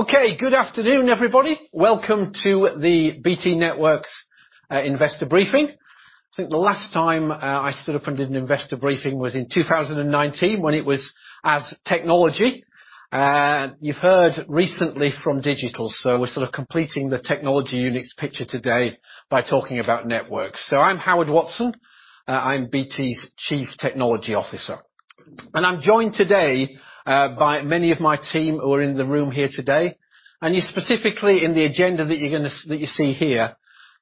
Okay, good afternoon, everybody. Welcome to the BT Networks investor briefing. I think the last time I stood up and did an investor briefing was in 2019 when it was the technology. You've heard recently from digital, we're sort of completing the technology unit's picture today by talking about networks. I'm Howard Watson. I'm BT's Chief Technology Officer. I'm joined today by many of my team who are in the room here today. You'll specifically in the agenda that you see here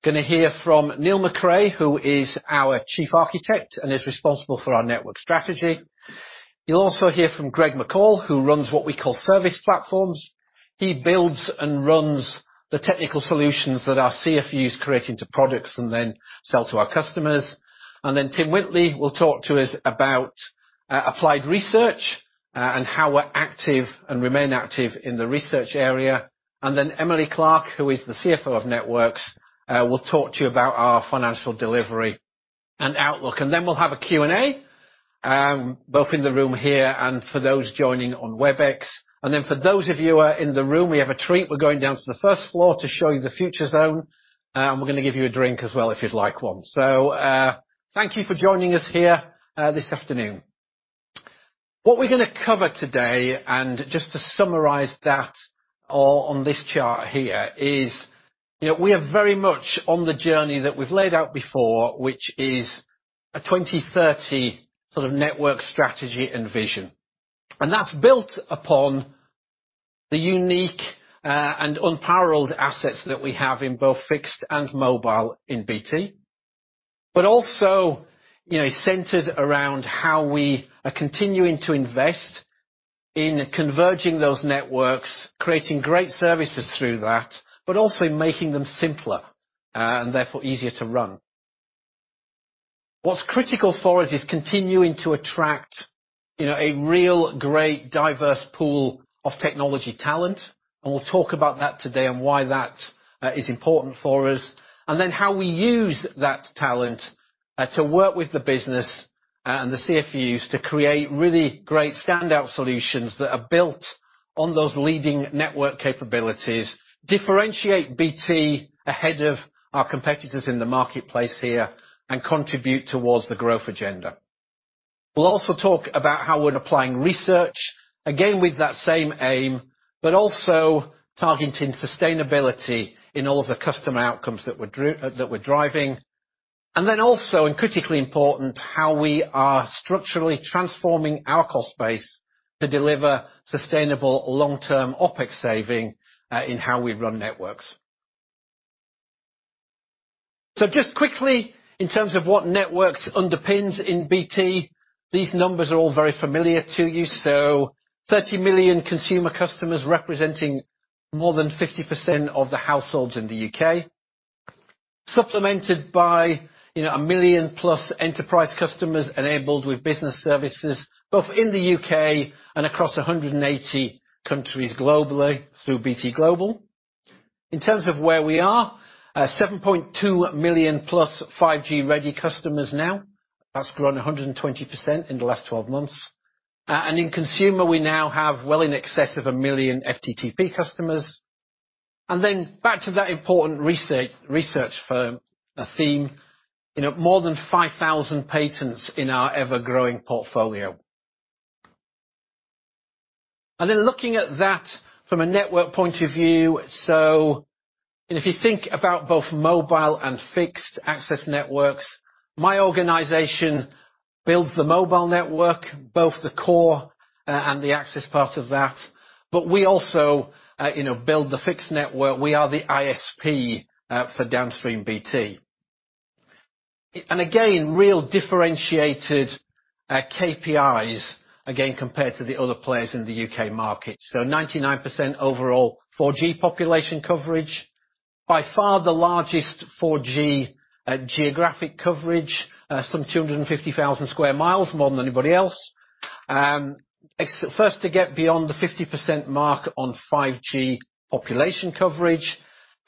gonna hear from Neil McRae, who is our Chief Architect and is responsible for our network strategy. You'll also hear from Greg McCall, who runs what we call service platforms. He builds and runs the technical solutions that our CFUs create into products and then sell to our customers. Tim Whitley will talk to us about applied research and how we're active and remain active in the research area. Emily Clark, who is the CFO of Networks, will talk to you about our financial delivery and outlook. We'll have a Q&A both in the room here and for those joining on Webex. For those of you who are in the room, we have a treat. We're going down to the first floor to show you the future zone. We're gonna give you a drink as well if you'd like one. Thank you for joining us here this afternoon. What we're gonna cover today, and just to summarize that, on this chart here is, you know, we are very much on the journey that we've laid out before, which is a 20-30 sort of network strategy and vision. That's built upon the unique and unparalleled assets that we have in both fixed and mobile in BT, but also, you know, centered around how we are continuing to invest in converging those networks, creating great services through that, but also making them simpler and therefore easier to run. What's critical for us is continuing to attract, you know, a real great diverse pool of technology talent, and we'll talk about that today and why that is important for us. How we use that talent to work with the business and the CFUs to create really great standout solutions that are built on those leading network capabilities, differentiate BT ahead of our competitors in the marketplace here, and contribute towards the growth agenda. We'll also talk about how we're applying research, again, with that same aim, but also targeting sustainability in all the customer outcomes that we're driving. Critically important, how we are structurally transforming our cost base to deliver sustainable long-term OpEx saving in how we run networks. Just quickly, in terms of what Networks underpins in BT, these numbers are all very familiar to you. 30 million consumer customers representing more than 50% of the households in the U.K., supplemented by, you know, 1 million+ enterprise customers enabled with business services, both in the U.K. and across 180 countries globally through BT Global. In terms of where we are, 7.2 million+ 5G ready customers now. That's grown 120% in the last 12 months. In consumer, we now have well in excess of 1 million FTTP customers. Then back to that important research firm theme, you know, more than 5,000 patents in our ever-growing portfolio. Looking at that from a network point of view, if you think about both mobile and fixed access networks, my organization builds the mobile network, both the core and the access part of that, but we also build the fixed network. We are the ISP for downstream BT. Again, real differentiated KPIs, again, compared to the other players in the U.K. market. 99% overall 4G population coverage. By far the largest 4G geographic coverage, some 250,000 sq mi, more than anybody else. First to get beyond the 50% mark on 5G population coverage,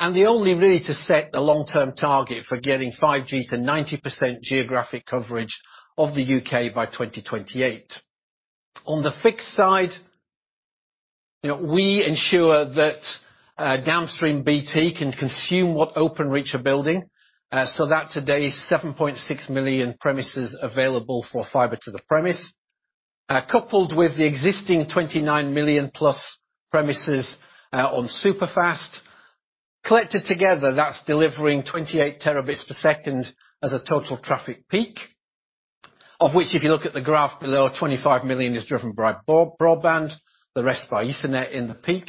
and the only really to set a long-term target for getting 5G to 90% geographic coverage of the U.K. by 2028. On the fixed side, you know, we ensure that downstream BT can consume what Openreach are building, so that today's 7.6 million premises available for fiber to the premises, coupled with the existing 29 million plus premises, on superfast. Collected together, that's delivering 28 terabits per second as a total traffic peak, of which, if you look at the graph below, 25 million is driven by broadband, the rest by Ethernet in the peak.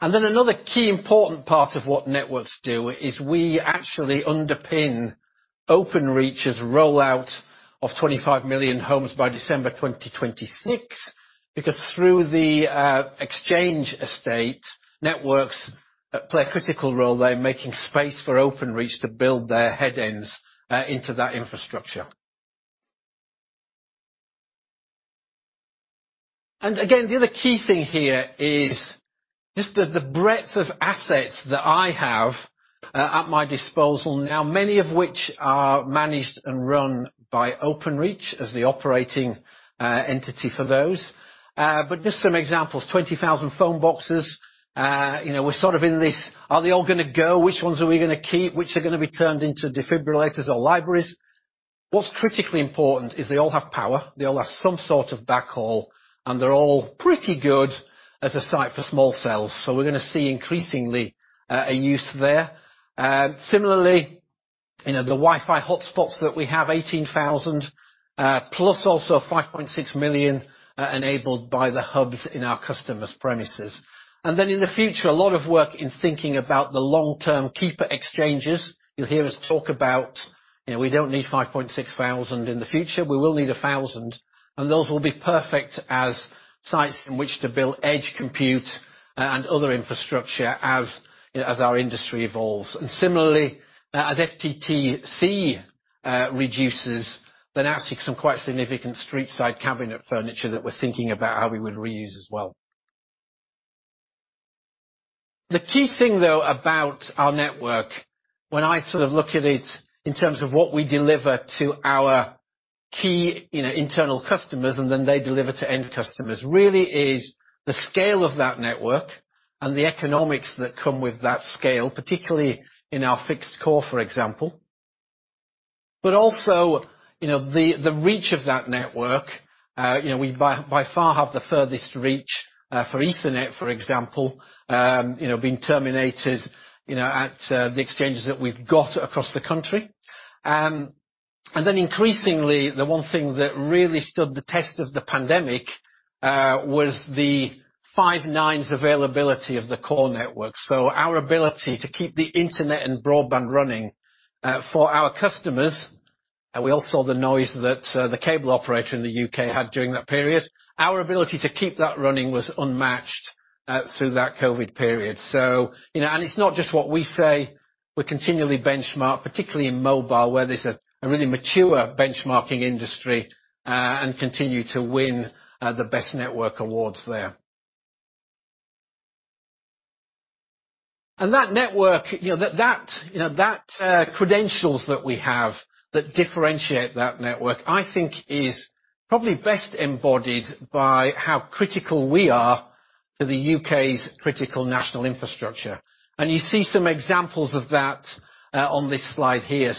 Another key important part of what networks do is we actually underpin Openreach's rollout of 25 million homes by December 2026, because through the exchange estate, networks play a critical role there, making space for Openreach to build their headends into that infrastructure. Again, the other key thing here is just the breadth of assets that I have at my disposal now, many of which are managed and run by Openreach as the operating entity for those. Just some examples, 20,000 phone boxes. You know, we're sort of in this, are they all gonna go? Which ones are we gonna keep? Which are gonna be turned into defibrillators or libraries? What's critically important is they all have power, they all have some sort of backhaul, and they're all pretty good as a site for small cells. So we're gonna see increasingly a use there. Similarly, you know, the Wi-Fi hotspots that we have, 18,000 plus also 5.6 million enabled by the hubs in our customers' premises. In the future, a lot of work in thinking about the long-term copper exchanges. You'll hear us talk about, you know, we don't need 5,600 in the future, we will need 1,000. Those will be perfect as sites in which to build edge computing and other infrastructure as, you know, as our industry evolves. Similarly, as FTTC reduces, then actually some quite significant street-side cabinet furniture that we're thinking about how we would reuse as well. The key thing though about our network, when I sort of look at it in terms of what we deliver to our key, you know, internal customers, and then they deliver to end customers, really is the scale of that network and the economics that come with that scale, particularly in our fixed core, for example. You know, the reach of that network. You know, we by far have the furthest reach for Ethernet, for example, being terminated at the exchanges that we've got across the country. Then increasingly, the one thing that really stood the test of the pandemic was the Five9 availability of the core network. Our ability to keep the internet and broadband running for our customers. We all saw the noise that the cable operator in the U.K. had during that period. Our ability to keep that running was unmatched through that COVID period. You know, it's not just what we say, we continually benchmark, particularly in mobile, where there's a really mature benchmarking industry, and continue to win the best network awards there. That network, you know, that credentials that we have that differentiate that network, I think is probably best embodied by how critical we are to the U.K.'s critical national infrastructure. You see some examples of that on this slide here.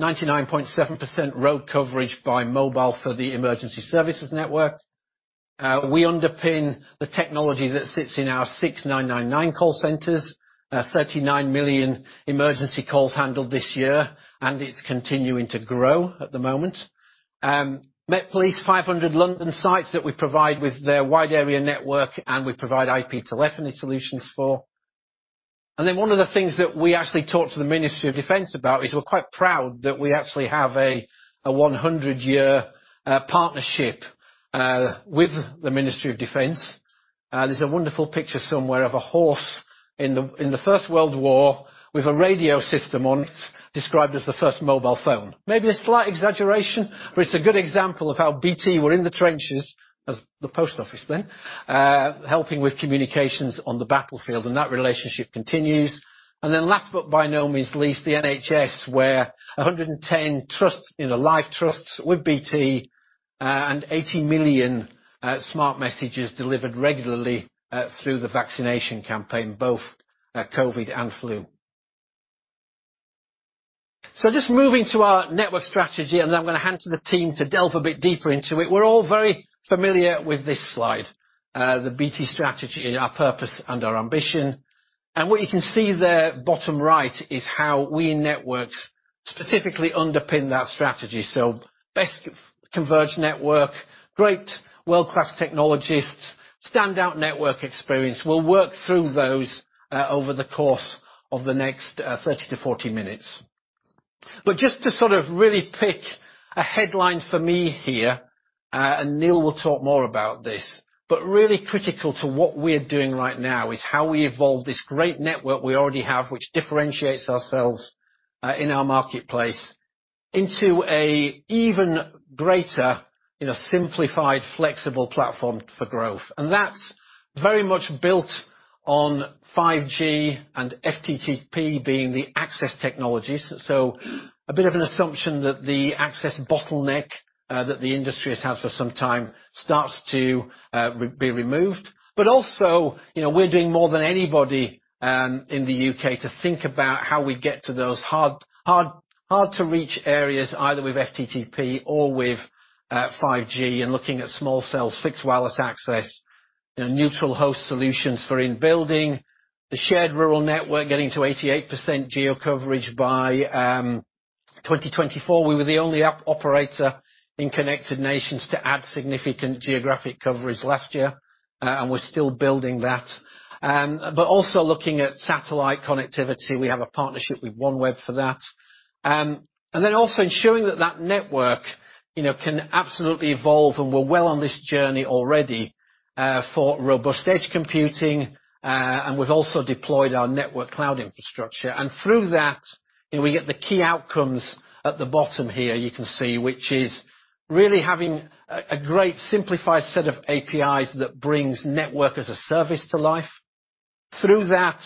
99.7% road coverage by mobile for the Emergency Services Network. We underpin the technology that sits in our 999 call centers. 39 million emergency calls handled this year, and it's continuing to grow at the moment. Metropolitan Police, 500 London sites that we provide with their wide area network and we provide IP telephony solutions for. One of the things that we actually talked to the Ministry of Defence about is we're quite proud that we actually have a 100-year partnership with the Ministry of Defence. There's a wonderful picture somewhere of a horse in the First World War with a radio system on it, described as the first mobile phone. Maybe a slight exaggeration, but it's a good example of how BT were in the trenches as the Post Office then, helping with communications on the battlefield, and that relationship continues. Last but by no means least, the NHS, where 110 trusts, you know, live trusts with BT, and 80 million smart messages delivered regularly through the vaccination campaign, both COVID and flu. Just moving to our network strategy, and then I'm gonna hand to the team to delve a bit deeper into it. We're all very familiar with this slide, the BT strategy, our purpose and our ambition. What you can see there, bottom right, is how we networks specifically underpin that strategy. Best converged network, great world-class technologists, standout network experience. We'll work through those, over the course of the next, 30 to 40 minutes. Just to sort of really pick a headline for me here, and Neil will talk more about this. Really critical to what we're doing right now is how we evolve this great network we already have, which differentiates ourselves, in our marketplace, into a even greater, you know, simplified, flexible platform for growth. That's very much built on 5G and FTTP being the access technologies. A bit of an assumption that the access bottleneck that the industry has had for some time starts to be removed. Also, you know, we're doing more than anybody in the U.K. to think about how we get to those hard to reach areas, either with FTTP or with 5G and looking at small cells, fixed wireless access, you know, neutral host solutions for in building. The Shared Rural Network, getting to 88% geo coverage by 2024. We were the only operator in Connected Nations to add significant geographic coverage last year, and we're still building that. Also looking at satellite connectivity, we have a partnership with OneWeb for that. Ensuring that that network, you know, can absolutely evolve, and we're well on this journey already, for robust edge computing, and we've also deployed our network cloud infrastructure. Through that, we get the key outcomes at the bottom here, you can see, which is really having a great simplified set of APIs that brings network as a service to life. Through that,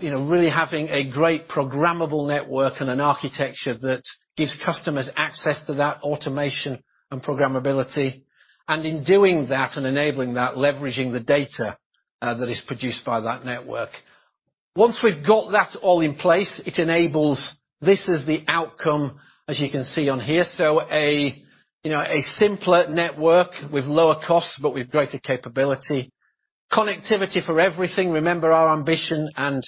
you know, really having a great programmable network and an architecture that gives customers access to that automation and programmability, and in doing that and enabling that, leveraging the data that is produced by that network. Once we've got that all in place, it enables. This is the outcome as you can see on here. You know, a simpler network with lower costs, but with greater capability. Connectivity for everything. Remember our ambition and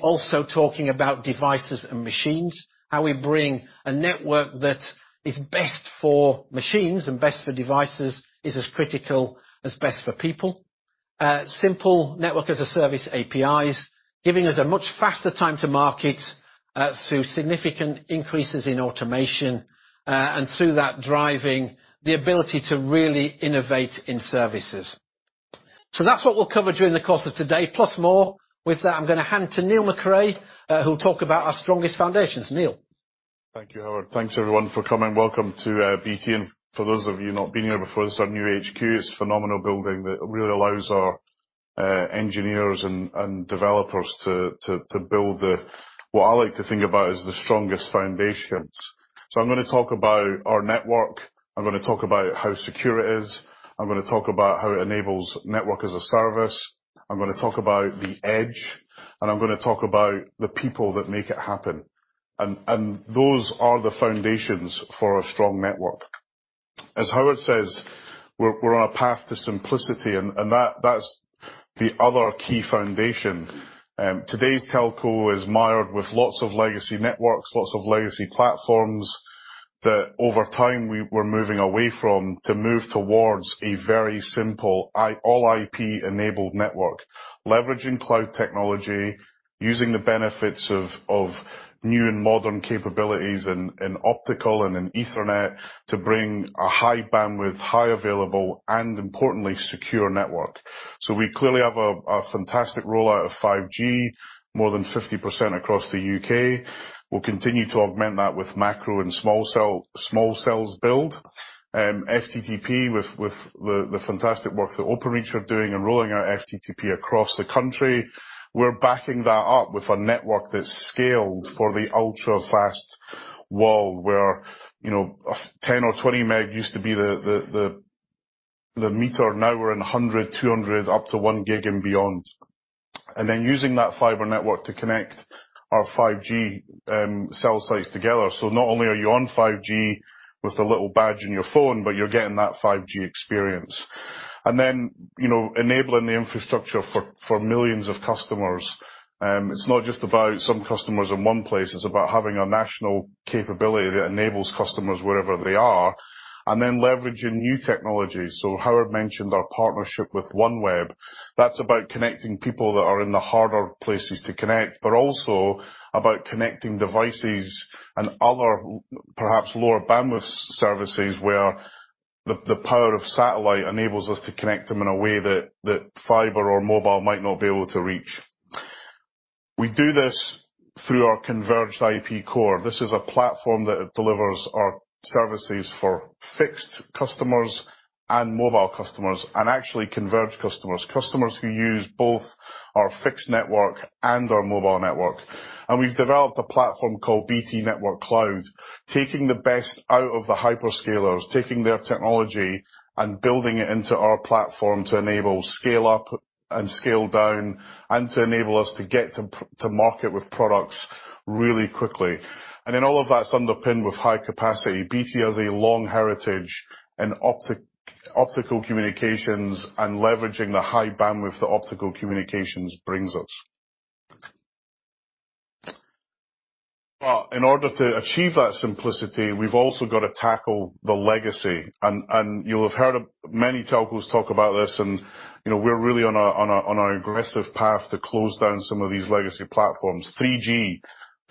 also talking about devices and machines, how we bring a network that is best for machines and best for devices is as critical as best for people. Simple Network as-a-Service APIs, giving us a much faster time to market, through significant increases in automation, and through that, driving the ability to really innovate in services. That's what we'll cover during the course of today, plus more. With that, I'm gonna hand to Neil McRae, who'll talk about our strongest foundations. Neil. Thank you, Howard. Thanks everyone for coming. Welcome to BT. For those of you not been here before, this is our new HQ. It's a phenomenal building that really allows our engineers and developers to build what I like to think about as the strongest foundations. I'm gonna talk about our network. I'm gonna talk about how secure it is. I'm gonna talk about how it enables Network as a Service. I'm gonna talk about the edge, and I'm gonna talk about the people that make it happen. Those are the foundations for a strong network. As Howard says, we're on a path to simplicity, and that that's the other key foundation. Today's telco is mired with lots of legacy networks, lots of legacy platforms that over time we're moving away from to move towards a very simple all IP-enabled network. Leveraging cloud technology, using the benefits of new and modern capabilities in optical and in Ethernet to bring a high bandwidth, high available, and importantly, secure network. We clearly have a fantastic rollout of 5G, more than 50% across the U.K. We'll continue to augment that with macro and small cells build. FTTP with the fantastic work that Openreach are doing in rolling out FTTP across the country. We're backing that up with a network that's scaled for the ultra-fast world where, you know, 10 or 20 meg used to be the meter. Now we're in 100, 200, up to 1 gig and beyond. Using that fiber network to connect our 5G cell sites together. Not only are you on 5G with the little badge in your phone, but you're getting that 5G experience. You know, enabling the infrastructure for millions of customers. It's not just about some customers in one place, it's about having a national capability that enables customers wherever they are, and then leveraging new technologies. Howard mentioned our partnership with OneWeb. That's about connecting people that are in the harder places to connect, but also about connecting devices and other, perhaps lower bandwidth services where the power of satellite enables us to connect them in a way that fiber or mobile might not be able to reach. We do this through our converged IP core. This is a platform that delivers our services for fixed customers and mobile customers, and actually converged customers. Customers who use both our fixed network and our mobile network. We've developed a platform called BT Network Cloud, taking the best out of the hyperscalers, taking their technology and building it into our platform to enable scale up and scale down, and to enable us to get to to market with products really quickly. Then all of that's underpinned with high capacity. BT has a long heritage in optical communications and leveraging the high bandwidth the optical communications brings us. In order to achieve that simplicity, we've also got to tackle the legacy and, you'll have heard of many telcos talk about this and, you know, we're really on an aggressive path to close down some of these legacy platforms. 3G.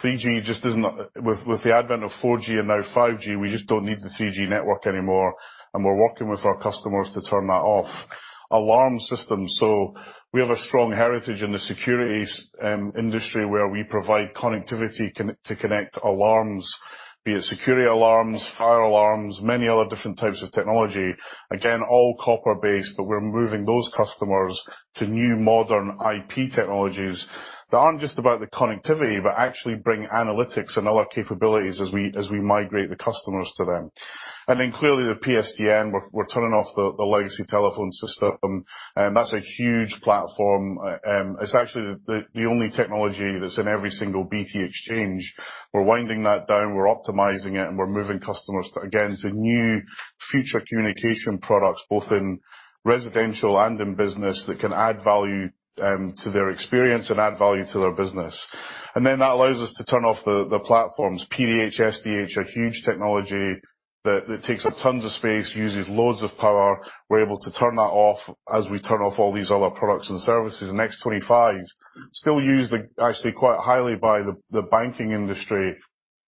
3G just isn't. With the advent of 4G and now 5G, we just don't need the 3G network anymore, and we're working with our customers to turn that off. Alarm systems. We have a strong heritage in the security industry where we provide connectivity to connect alarms, be it security alarms, fire alarms, many other different types of technology. Again, all copper-based, but we're moving those customers to new modern IP technologies that aren't just about the connectivity, but actually bring analytics and other capabilities as we migrate the customers to them. Then clearly the PSTN, we're turning off the legacy telephone system, and that's a huge platform. It's actually the only technology that's in every single BT exchange. We're winding that down, we're optimizing it, and we're moving customers, again, to new future communication products, both in residential and in business, that can add value to their experience and add value to their business. Then that allows us to turn off the platforms. PDH, SDH are huge technology that takes up tons of space, uses loads of power. We're able to turn that off as we turn off all these other products and services. X.25s still used, actually quite highly by the banking industry.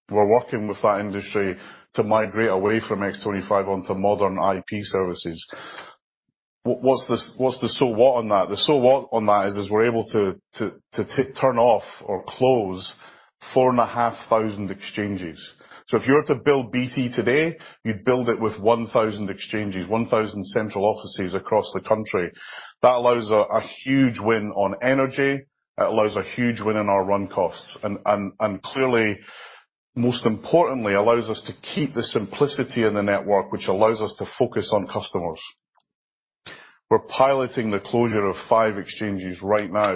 We're working with that industry to migrate away from X.25 onto modern IP services. What's the so what on that? The so what on that is we're able to turn off or close 4,500 exchanges. If you were to build BT today, you'd build it with 1,000 exchanges, 1,000 central offices across the country. That allows a huge win on energy. It allows a huge win in our run costs and clearly, most importantly, allows us to keep the simplicity in the network, which allows us to focus on customers. We're piloting the closure of 5 exchanges right now,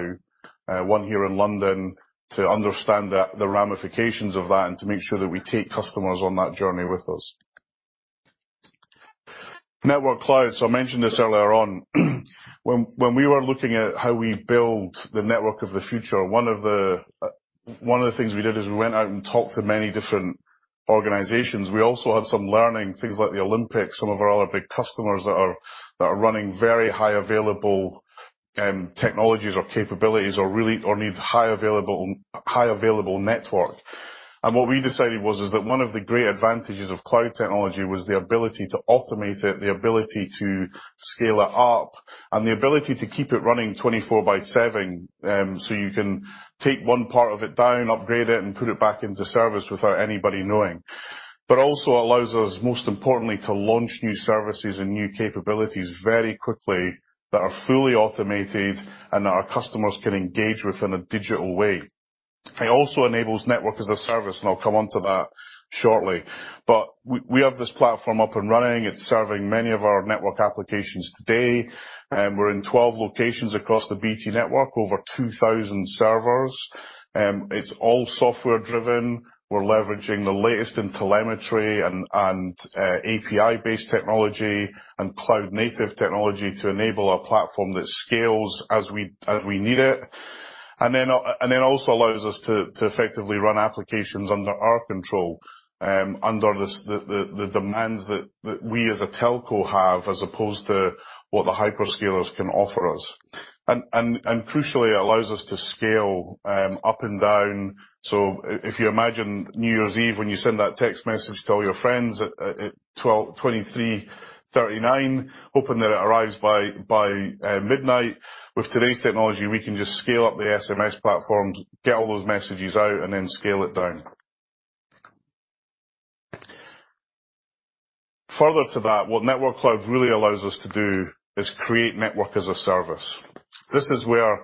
one here in London, to understand the ramifications of that and to make sure that we take customers on that journey with us. Network cloud, I mentioned this earlier on. When we were looking at how we build the network of the future, one of the things we did is we went out and talked to many different organizations. We also had some learning, things like the Olympics, some of our other big customers that are running very highly available technologies or capabilities or really need highly available network. What we decided was that one of the great advantages of cloud technology was the ability to automate it, the ability to scale it up, and the ability to keep it running 24/7, so you can take one part of it down, upgrade it and put it back into service without anybody knowing. It also allows us, most importantly, to launch new services and new capabilities very quickly that are fully automated and that our customers can engage with in a digital way. It also enables Network as a Service, and I'll come on to that shortly. We have this platform up and running. It's serving many of our network applications today. We're in 12 locations across the BT network, over 2,000 servers. It's all software driven. We're leveraging the latest in telemetry and API-based technology and cloud-native technology to enable a platform that scales as we need it. It also allows us to effectively run applications under our control, under the demands that we as a telco have, as opposed to what the hyperscalers can offer us. Crucially, it allows us to scale up and down. If you imagine New Year's Eve, when you send that text message to all your friends at 23:39, hoping that it arrives by midnight. With today's technology, we can just scale up the SMS platforms, get all those messages out, and then scale it down. Further to that, what Network Cloud really allows us to do is create Network as a Service. This is where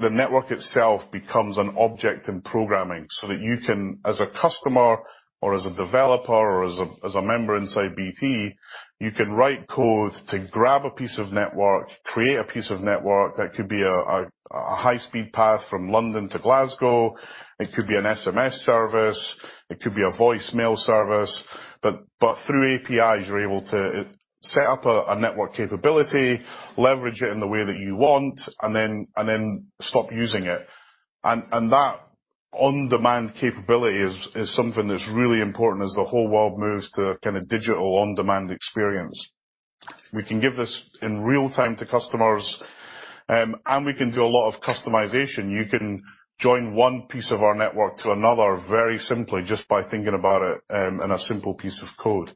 the network itself becomes an object in programming, so that you can, as a customer or as a developer or as a member inside BT, you can write code to grab a piece of network, create a piece of network that could be a high-speed path from London to Glasgow. It could be an SMS service. It could be a voicemail service. But through APIs, you're able to set up a network capability, leverage it in the way that you want, and then stop using it. That on-demand capability is something that's really important as the whole world moves to a kind of digital on-demand experience. We can give this in real-time to customers, and we can do a lot of customization. You can join one piece of our network to another very simply just by thinking about it, in a simple piece of code.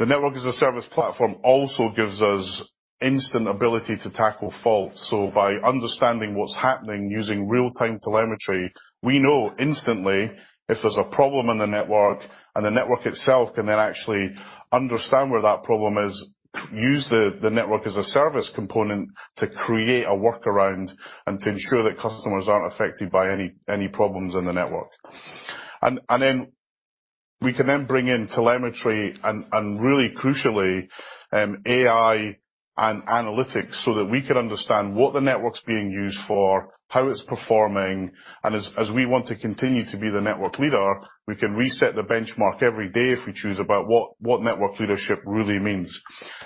The Network as a Service platform also gives us instant ability to tackle faults. By understanding what's happening using real-time telemetry, we know instantly if there's a problem in the network and the network itself can then actually understand where that problem is, use the Network as a Service component to create a workaround and to ensure that customers aren't affected by any problems in the network. Then we can bring in telemetry and really crucially AI and analytics so that we can understand what the network's being used for, how it's performing, and as we want to continue to be the network leader, we can reset the benchmark every day if we choose about what network leadership really means.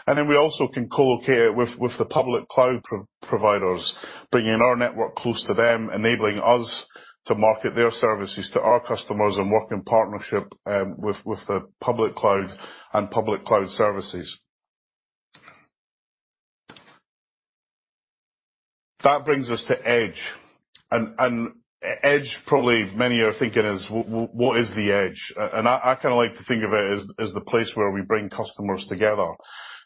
Then we also can co-locate with the public cloud providers, bringing our network close to them, enabling us to market their services to our customers and work in partnership with the public cloud and public cloud services. That brings us to edge. Edge probably many are thinking is what is the edge? I kind of like to think of it as the place where we bring customers together.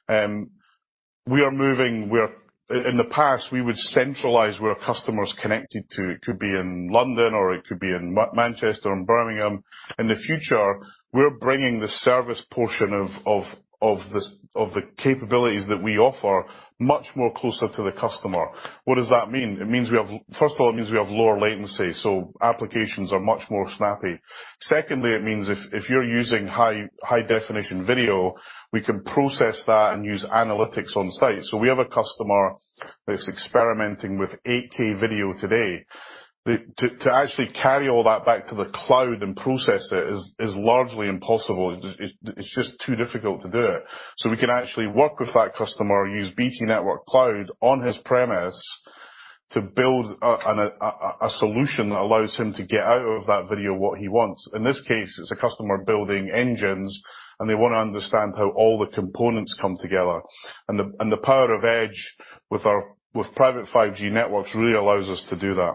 We are moving, we're... In the past, we would centralize where customers connected to. It could be in London or it could be in Manchester and Birmingham. In the future, we're bringing the service portion of the capabilities that we offer much more closer to the customer. What does that mean? First of all, it means we have lower latency, so applications are much more snappy. Secondly, it means if you're using high definition video, we can process that and use analytics on site. So we have a customer that's experimenting with 8K video today. To actually carry all that back to the cloud and process it is largely impossible. It's just too difficult to do it. We can actually work with that customer, use BT Network Cloud on his premises to build a solution that allows him to get out of that video what he wants. In this case, it's a customer building engines, and they wanna understand how all the components come together. The power of edge with our private 5G networks really allows us to do that.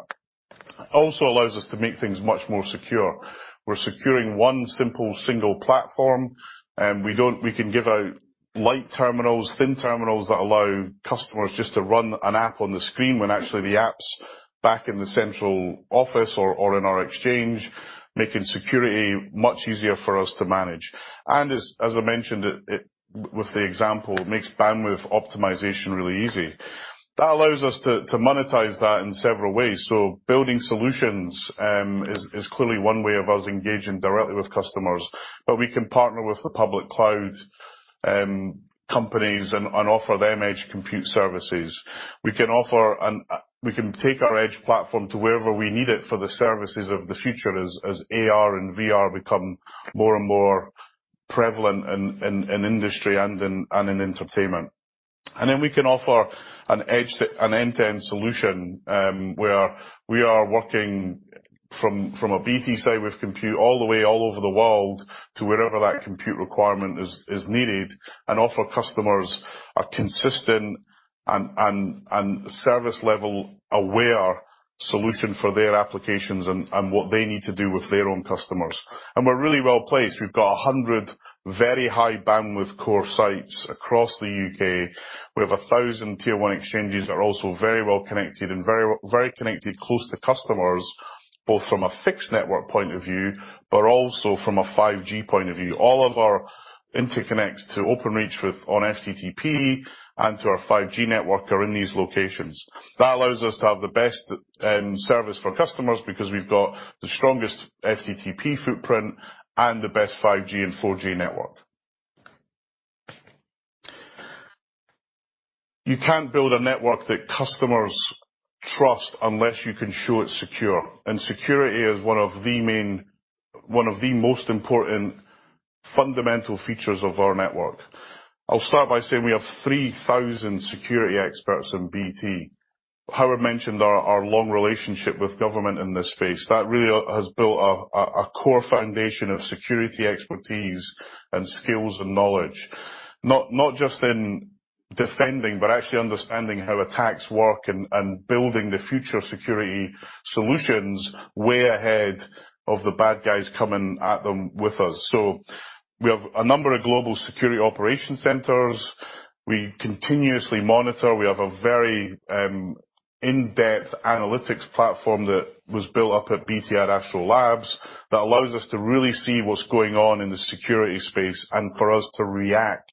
Also allows us to make things much more secure. We're securing one simple single platform, and we can give out light terminals, thin terminals, that allow customers just to run an app on the screen when actually the app's back in the central office or in our exchange, making security much easier for us to manage. As I mentioned, it with the example makes bandwidth optimization really easy. That allows us to monetize that in several ways. Building solutions is clearly one way of us engaging directly with customers. We can partner with the public cloud companies and offer them edge computing services. We can take our edge platform to wherever we need it for the services of the future as AR and VR become more and more prevalent in industry and in entertainment. We can offer an end-to-end solution where we are working from a BT side with compute all the way all over the world to wherever that compute requirement is needed and offer customers a consistent and service level aware solution for their applications and what they need to do with their own customers. We're really well-placed. We've got 100 very high bandwidth core sites across the U.K. We have 1,000 tier one exchanges that are also very well-connected and very, very connected close to customers, both from a fixed network point of view, but also from a 5G point of view. All of our interconnects to Openreach with on FTTP and to our 5G network are in these locations. That allows us to have the best service for customers because we've got the strongest FTTP footprint and the best 5G and 4G network. You can't build a network that customers trust unless you can show it's secure, and security is one of the most important fundamental features of our network. I'll start by saying we have 3,000 security experts in BT. Howard mentioned our long relationship with government in this space. That really has built a core foundation of security expertise and skills and knowledge, not just in defending, but actually understanding how attacks work and building the future security solutions way ahead of the bad guys coming at them with us. We have a number of global security operation centers. We continuously monitor. We have a very in-depth analytics platform that was built up at BT Research Laboratories that allows us to really see what's going on in the security space and for us to react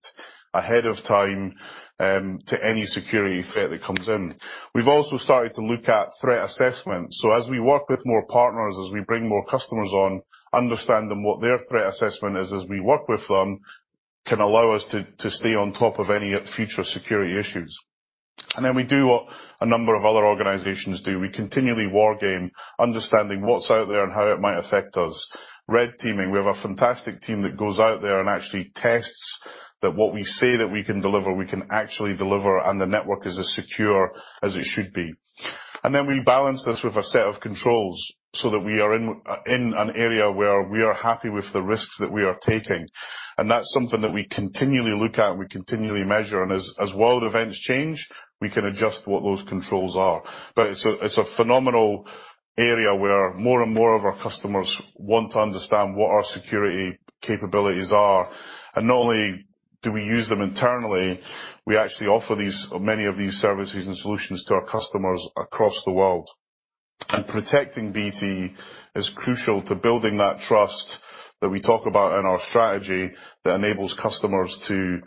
ahead of time to any security threat that comes in. We've also started to look at threat assessment. As we work with more partners, as we bring more customers on, understanding what their threat assessment is as we work with them, can allow us to stay on top of any future security issues. We do what a number of other organizations do. We continually wargame, understanding what's out there and how it might affect us. Red teaming, we have a fantastic team that goes out there and actually tests that what we say that we can deliver, we can actually deliver, and the network is as secure as it should be. We balance this with a set of controls so that we are in an area where we are happy with the risks that we are taking. That's something that we continually look at, and we continually measure. As world events change, we can adjust what those controls are. It's a phenomenal area where more and more of our customers want to understand what our security capabilities are. Not only do we use them internally, we actually offer these, many of these services and solutions to our customers across the world. Protecting BT is crucial to building that trust that we talk about in our strategy that enables customers to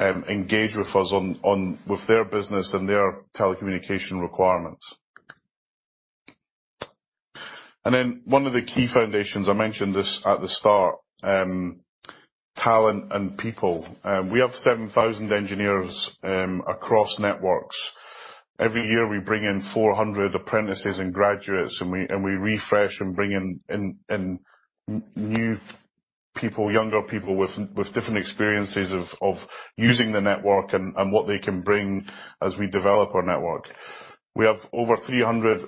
engage with us on with their business and their telecommunication requirements. One of the key foundations, I mentioned this at the start, talent and people. We have 7,000 engineers across networks. Every year, we bring in 400 apprentices and graduates, and we refresh and bring in new people, younger people with different experiences of using the network and what they can bring as we develop our network. We have over 300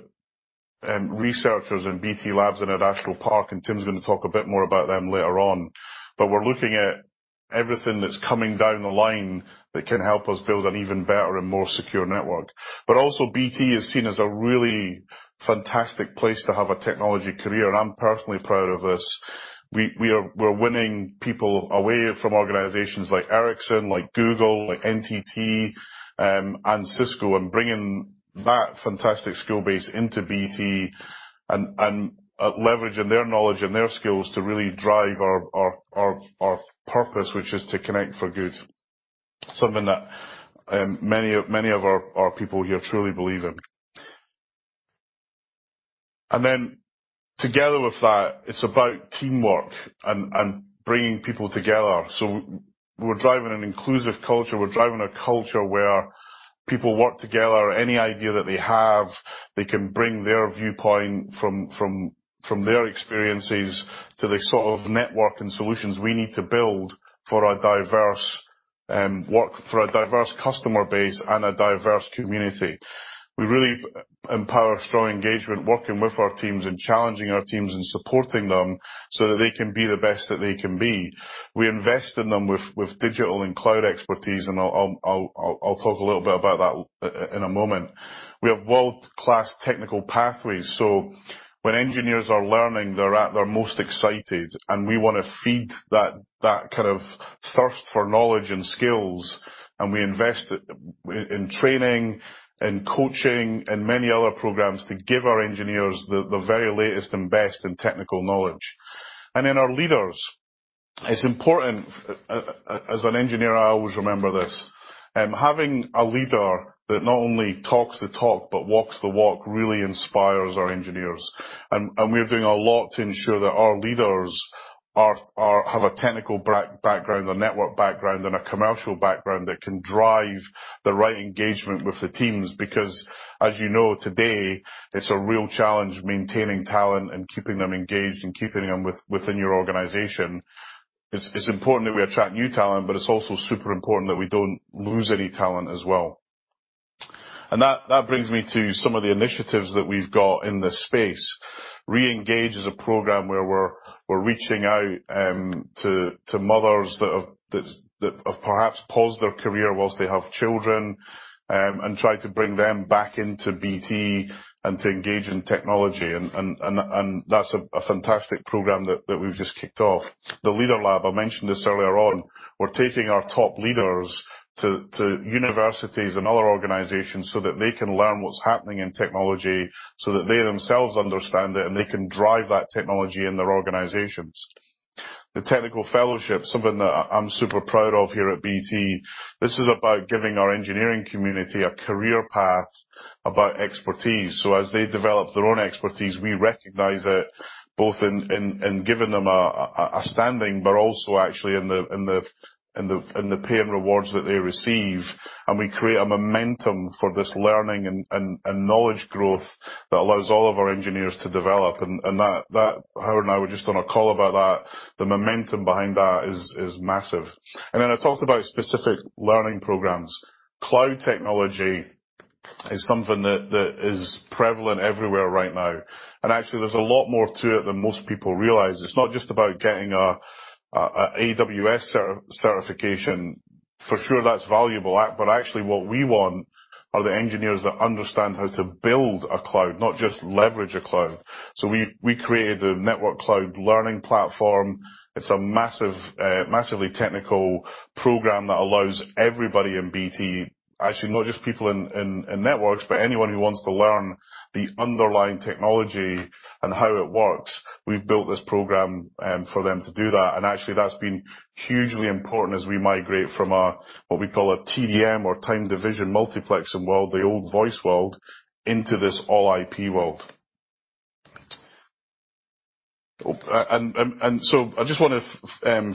researchers in BT Labs in our Adastral Park, and Tim's gonna talk a bit more about them later on. We're looking at everything that's coming down the line that can help us build an even better and more secure network. Also, BT is seen as a really fantastic place to have a technology career, and I'm personally proud of this. We're winning people away from organizations like Ericsson, like Google, like NTT, and Cisco, and bringing that fantastic skill base into BT and leveraging their knowledge and their skills to really drive our purpose, which is to connect for good. Something that many of our people here truly believe in. Then together with that, it's about teamwork and bringing people together. We're driving an inclusive culture. We're driving a culture where people work together. Any idea that they have, they can bring their viewpoint from their experiences to the sort of network and solutions we need to build for a diverse and work for a diverse customer base and a diverse community. We really empower strong engagement, working with our teams and challenging our teams and supporting them so that they can be the best that they can be. We invest in them with digital and cloud expertise, and I'll talk a little bit about that in a moment. We have world-class technical pathways, so when engineers are learning, they're at their most excited, and we wanna feed that kind of thirst for knowledge and skills, and we invest in training and coaching and many other programs to give our engineers the very latest and best in technical knowledge. Our leaders. It's important as an engineer, I always remember this, having a leader that not only talks the talk, but walks the walk, really inspires our engineers. We're doing a lot to ensure that our leaders have a technical background, a network background, and a commercial background that can drive the right engagement with the teams. Because, as you know, today, it's a real challenge maintaining talent and keeping them engaged and keeping them within your organization. It's important that we attract new talent, but it's also super important that we don't lose any talent as well. That brings me to some of the initiatives that we've got in this space. Re-engage is a program where we're reaching out to mothers that have perhaps paused their career while they have children, and try to bring them back into BT and to engage in technology and that's a fantastic program that we've just kicked off. The Leader Lab, I mentioned this earlier on. We're taking our top leaders to universities and other organizations so that they can learn what's happening in technology, so that they themselves understand it and they can drive that technology in their organizations. The Tech Fellowship, something that I'm super proud of here at BT. This is about giving our engineering community a career path about expertise. As they develop their own expertise, we recognize it both in giving them a standing, but also actually in the pay and rewards that they receive. We create a momentum for this learning and knowledge growth that allows all of our engineers to develop. That, Howard and I were just on a call about that. The momentum behind that is massive. I talked about specific learning programs. Cloud technology is something that is prevalent everywhere right now. Actually there's a lot more to it than most people realize. It's not just about getting a AWS certification. For sure that's valuable, but actually what we want are the engineers that understand how to build a cloud, not just leverage a cloud. We created a network cloud learning platform. It's a massive, massively technical program that allows everybody in BT, actually not just people in networks, but anyone who wants to learn the underlying technology and how it works. We've built this program for them to do that. Actually that's been hugely important as we migrate from what we call a TDM or Time Division Multiplexing world, the old voice world, into this all IP world. I just wanna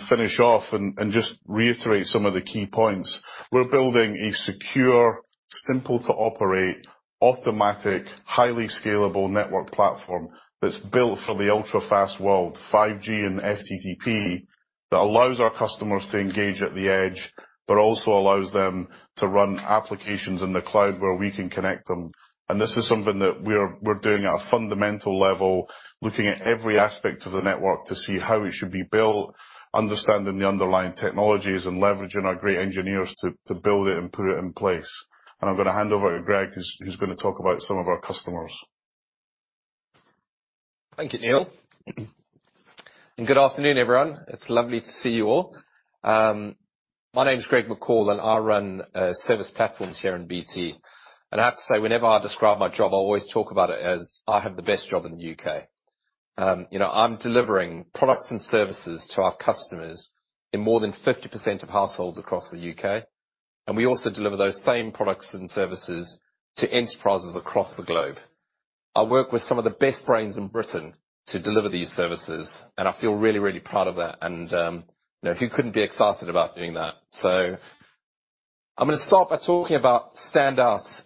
finish off and just reiterate some of the key points. We're building a secure, simple to operate, automatic, highly scalable network platform that's built for the ultra-fast world, 5G and FTTP, that allows our customers to engage at the edge but also allows them to run applications in the cloud where we can connect them. This is something that we're doing at a fundamental level, looking at every aspect of the network to see how it should be built, understanding the underlying technologies and leveraging our great engineers to build it and put it in place. I'm gonna hand over to Greg, who's gonna talk about some of our customers. Thank you, Neil. Good afternoon, everyone. It's lovely to see you all. My name's Greg McCall, and I run service platforms here in BT. I have to say, whenever I describe my job, I always talk about it as I have the best job in the U.K. You know, I'm delivering products and services to our customers in more than 50% of households across the U.K., and we also deliver those same products and services to enterprises across the globe. I work with some of the best brains in Britain to deliver these services, and I feel really proud of that. You know, who couldn't be excited about doing that? I'm gonna start by talking about standouts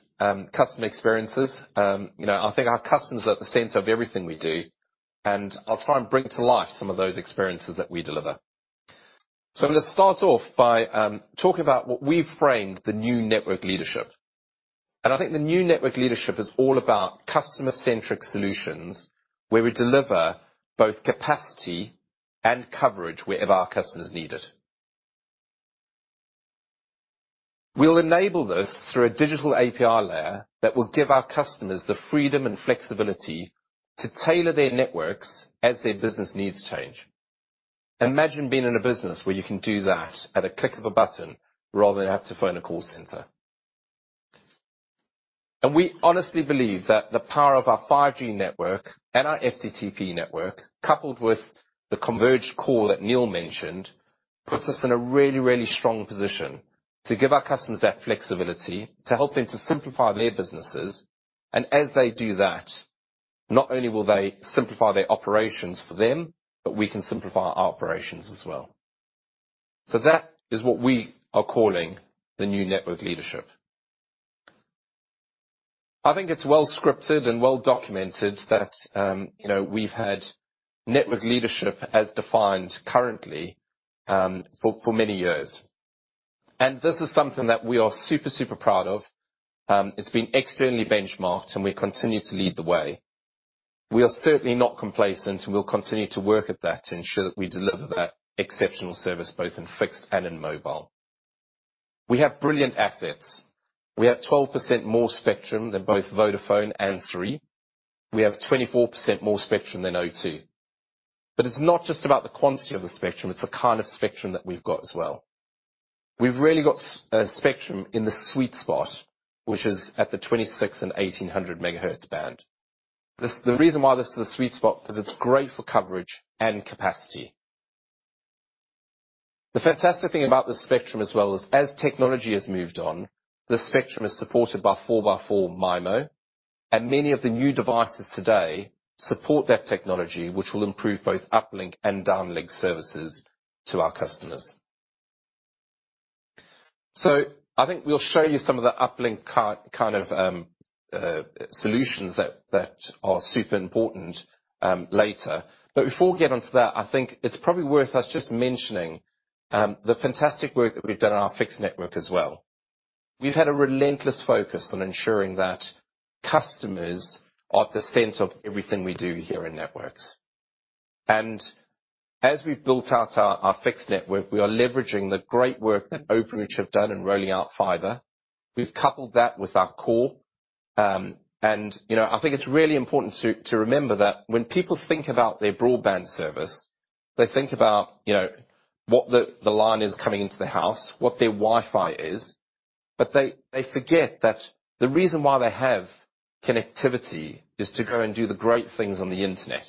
customer experiences. You know, I think our customers are at the center of everything we do, and I'll try and bring to life some of those experiences that we deliver. I'm gonna start off by talking about what we've framed the new network leadership. I think the new network leadership is all about customer-centric solutions where we deliver both capacity and coverage wherever our customers need it. We'll enable this through a digital API layer that will give our customers the freedom and flexibility to tailor their networks as their business needs change. Imagine being in a business where you can do that at a click of a button rather than have to phone a call center. We honestly believe that the power of our 5G network and our FTTP network, coupled with the converged core that Neil mentioned, puts us in a really, really strong position to give our customers that flexibility to help them to simplify their businesses, and as they do that, not only will they simplify their operations for them, but we can simplify our operations as well. That is what we are calling the new network leadership. I think it's well scripted and well documented that, you know, we've had network leadership as defined currently, for many years. This is something that we are super proud of. It's been externally benchmarked, and we continue to lead the way. We are certainly not complacent, and we'll continue to work at that to ensure that we deliver that exceptional service both in fixed and in mobile. We have brilliant assets. We have 12% more spectrum than both Vodafone and Three. We have 24% more spectrum than O2. It's not just about the quantity of the spectrum, it's the kind of spectrum that we've got as well. We've really got spectrum in the sweet spot, which is at the 26 and 1800 MHz band. The reason why this is a sweet spot, 'cause it's great for coverage and capacity. The fantastic thing about the spectrum as well is as technology has moved on, the spectrum is supported by 4x4 MIMO, and many of the new devices today support that technology which will improve both uplink and downlink services to our customers. I think we'll show you some of the uplink kind of solutions that are super important later. Before we get onto that, I think it's probably worth us just mentioning the fantastic work that we've done on our fixed network as well. We've had a relentless focus on ensuring that customers are at the center of everything we do here in networks. As we've built out our fixed network, we are leveraging the great work that Openreach have done in rolling out fiber. We've coupled that with our core. You know, I think it's really important to remember that when people think about their broadband service, they think about, you know, what the line is coming into the house, what their Wi-Fi is, but they forget that the reason why they have connectivity is to go and do the great things on the internet.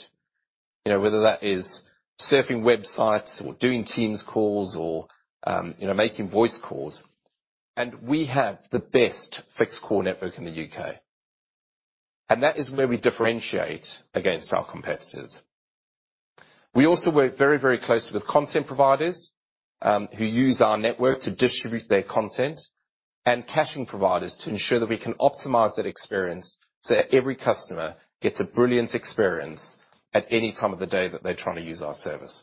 You know, whether that is surfing websites or doing Teams calls or, you know, making voice calls. We have the best fixed core network in the U.K. That is where we differentiate against our competitors. We also work very, very closely with content providers, who use our network to distribute their content and caching providers to ensure that we can optimize that experience so that every customer gets a brilliant experience at any time of the day that they're trying to use our service.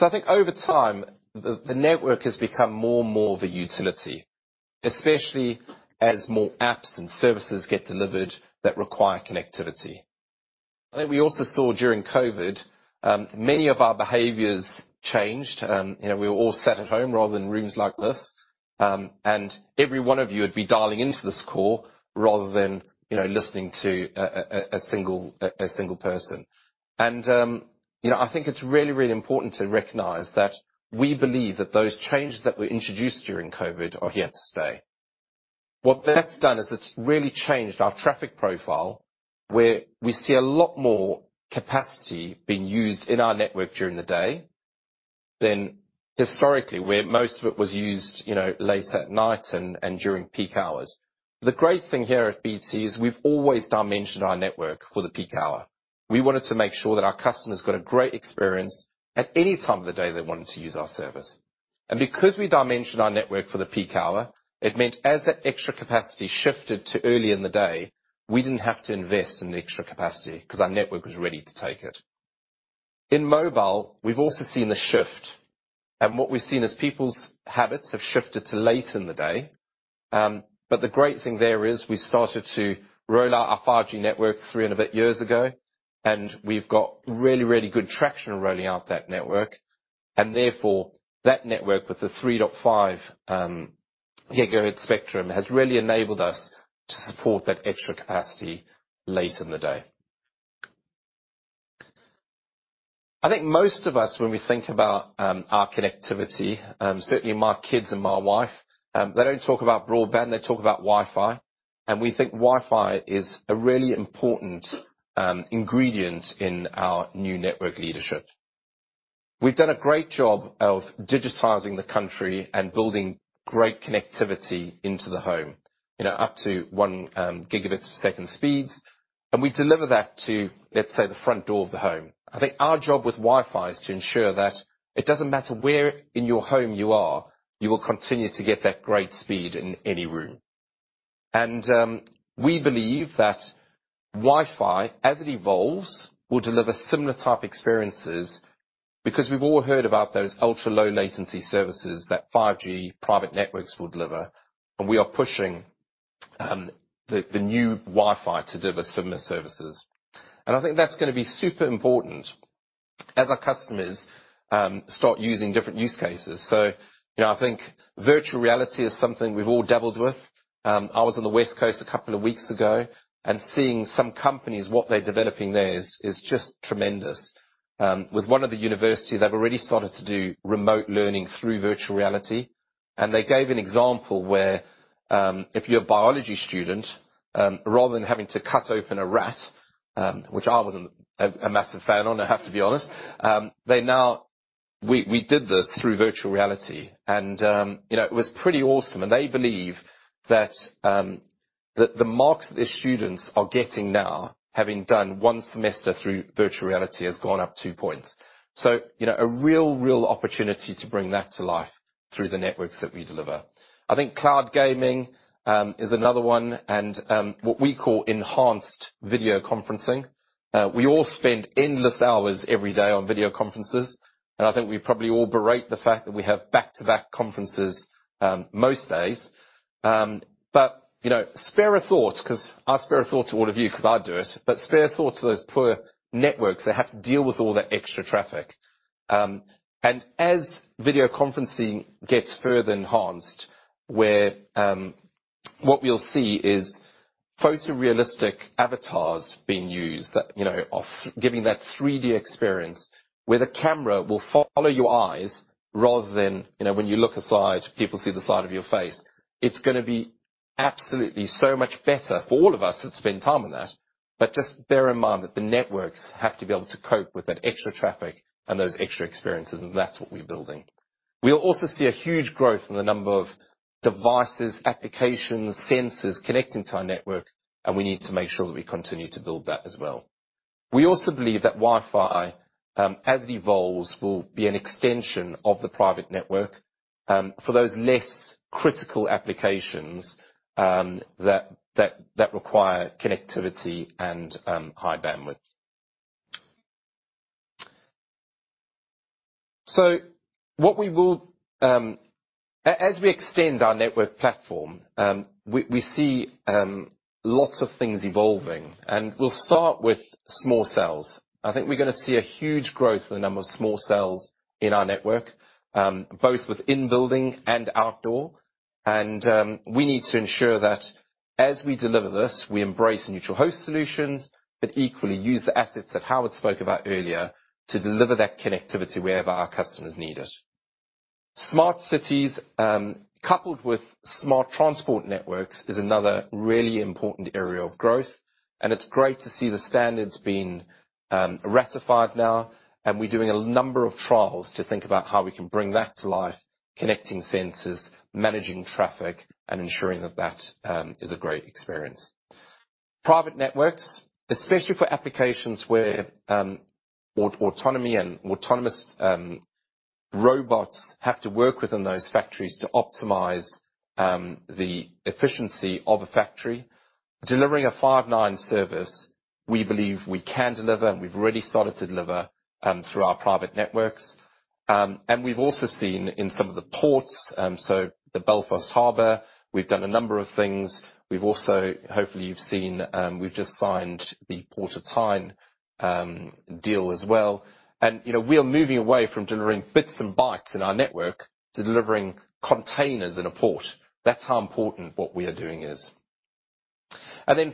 I think over time, the network has become more and more of a utility, especially as more apps and services get delivered that require connectivity. I think we also saw during COVID, many of our behaviors changed. You know, we were all sat at home rather than rooms like this. Every one of you would be dialing into this call rather than, you know, listening to a single person. You know, I think it's really, really important to recognize that we believe that those changes that were introduced during COVID are here to stay. What that's done is it's really changed our traffic profile, where we see a lot more capacity being used in our network during the day than historically, where most of it was used, you know, late at night and during peak hours. The great thing here at BT is we've always dimensioned our network for the peak hour. We wanted to make sure that our customers got a great experience at any time of the day they wanted to use our service. Because we dimension our network for the peak hour, it meant as that extra capacity shifted to early in the day, we didn't have to invest in the extra capacity 'cause our network was ready to take it. In mobile, we've also seen the shift. What we've seen is people's habits have shifted to late in the day. But the great thing there is we started to roll out our 5G network 3 and a bit years ago, and we've got really, really good traction rolling out that network. Therefore, that network with the 3.5 GHz spectrum has really enabled us to support that extra capacity later in the day. I think most of us when we think about our connectivity, certainly my kids and my wife, they don't talk about broadband, they talk about Wi-Fi. We think Wi-Fi is a really important ingredient in our new network leadership. We've done a great job of digitizing the country and building great connectivity into the home. You know, up to 1 Gbps speeds. We deliver that to, let's say, the front door of the home. I think our job with Wi-Fi is to ensure that it doesn't matter where in your home you are, you will continue to get that great speed in any room. We believe that Wi-Fi, as it evolves, will deliver similar type experiences, because we've all heard about those ultra-low latency services that 5G private networks will deliver, and we are pushing the new Wi-Fi to deliver similar services. I think that's gonna be super important as our customers start using different use cases. You know, I think virtual reality is something we've all dabbled with. I was on the West Coast a couple of weeks ago, and seeing some companies, what they're developing there is just tremendous. With one of the university, they've already started to do remote learning through virtual reality. They gave an example where, if you're a biology student, rather than having to cut open a rat, which I wasn't a massive fan of, I have to be honest, we did this through virtual reality and you know, it was pretty awesome. They believe that the marks that the students are getting now, having done one semester through virtual reality has gone up 2 points. You know, a real opportunity to bring that to life through the networks that we deliver. I think cloud gaming is another one, and what we call enhanced video conferencing. We all spend endless hours every day on video conferences, and I think we probably all berate the fact that we have back-to-back conferences most days. But you know, spare a thought to all of you 'cause I do it, but spare a thought to those poor networks that have to deal with all that extra traffic. As video conferencing gets further enhanced, where what we'll see is photorealistic avatars being used that you know are giving that 3D experience, where the camera will follow your eyes rather than you know when you look aside, people see the side of your face. It's gonna be absolutely so much better for all of us that spend time on that. Just bear in mind that the networks have to be able to cope with that extra traffic and those extra experiences, and that's what we're building. We'll also see a huge growth in the number of devices, applications, sensors connecting to our network, and we need to make sure that we continue to build that as well. We also believe that Wi-Fi, as it evolves, will be an extension of the private network, for those less critical applications, that require connectivity and high bandwidth. As we extend our network platform, we see lots of things evolving, and we'll start with small cells. I think we're gonna see a huge growth in the number of small cells in our network, both within building and outdoor. We need to ensure that as we deliver this, we embrace neutral host solutions, but equally use the assets that Howard spoke about earlier to deliver that connectivity wherever our customers need it. Smart cities, coupled with smart transport networks is another really important area of growth, and it's great to see the standards being ratified now. We're doing a number of trials to think about how we can bring that to life, connecting sensors, managing traffic, and ensuring that that is a great experience. Private networks, especially for applications where autonomy and autonomous robots have to work within those factories to optimize the efficiency of a factory. Delivering a Five9 service, we believe we can deliver, and we've already started to deliver, through our private networks. We've also seen in some of the ports, so the Belfast Harbour, we've done a number of things. We've also. Hopefully you've seen, we've just signed the Port of Tyne deal as well. You know, we are moving away from delivering bits and bytes in our network to delivering containers in a port. That's how important what we are doing is.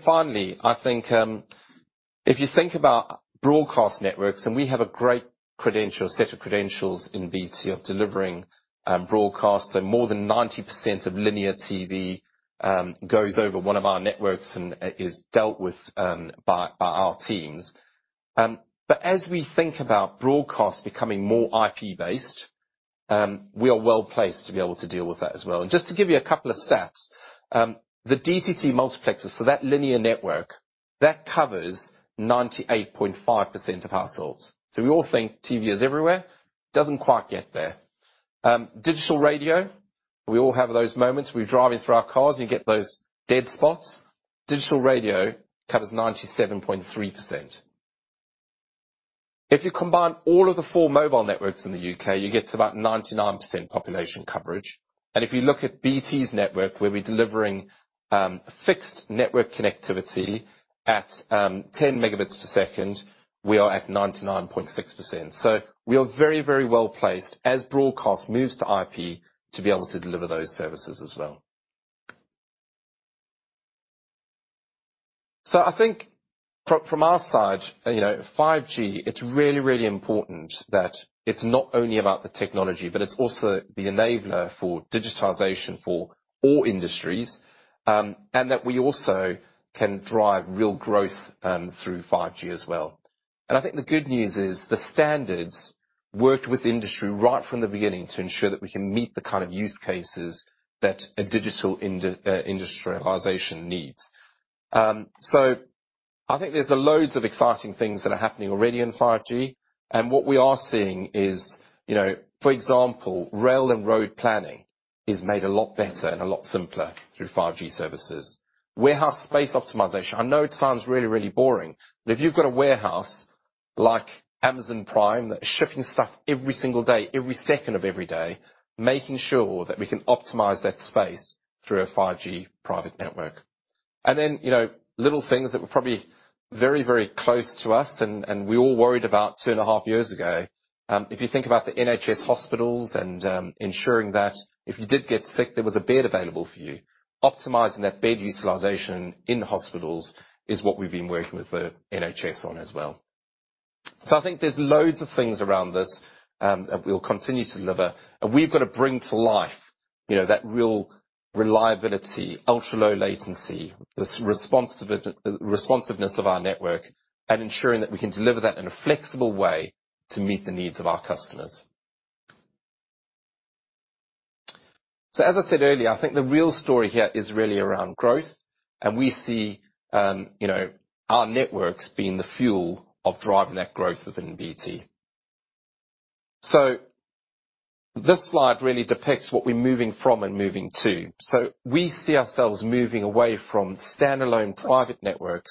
Finally, I think, if you think about broadcast networks, and we have a great set of credentials in BT of delivering broadcasts. So more than 90% of linear TV goes over one of our networks and is dealt with by our teams. But as we think about broadcasts becoming more IP-based, we are well-placed to be able to deal with that as well. Just to give you a couple of stats, the DTT multiplexer, so that linear network, that covers 98.5% of households. We all think TV is everywhere. Doesn't quite get there. Digital radio, we all have those moments. We're driving through our cars, and you get those dead spots. Digital radio covers 97.3%. If you combine all of the four mobile networks in the U.K., you get to about 99% population coverage. If you look at BT's network, where we're delivering fixed network connectivity at 10 Mbps, we are at 99.6%. We are very, very well-placed as broadcast moves to IP to be able to deliver those services as well. I think from our side, you know, 5G, it's really important that it's not only about the technology, but it's also the enabler for digitization for all industries, and that we also can drive real growth through 5G as well. I think the good news is the standards worked with industry right from the beginning to ensure that we can meet the kind of use cases that a digital industrialization needs. I think there's loads of exciting things that are happening already in 5G, and what we are seeing is, you know, for example, rail and road planning is made a lot better and a lot simpler through 5G services. Warehouse space optimization. I know it sounds really, really boring, but if you've got a warehouse like Amazon Prime that's shipping stuff every single day, every second of every day, making sure that we can optimize that space through a 5G private network. You know, little things that were probably very, very close to us and we all worried about 2.5 years ago, if you think about the NHS hospitals and ensuring that if you did get sick, there was a bed available for you. Optimizing that bed utilization in hospitals is what we've been working with the NHS on as well. I think there's loads of things around this, and we'll continue to deliver. We've got to bring to life, you know, that real reliability, ultra-low latency, responsiveness of our network, and ensuring that we can deliver that in a flexible way to meet the needs of our customers. As I said earlier, I think the real story here is really around growth, and we see, you know, our networks being the fuel of driving that growth within BT. This slide really depicts what we're moving from and moving to. We see ourselves moving away from standalone private networks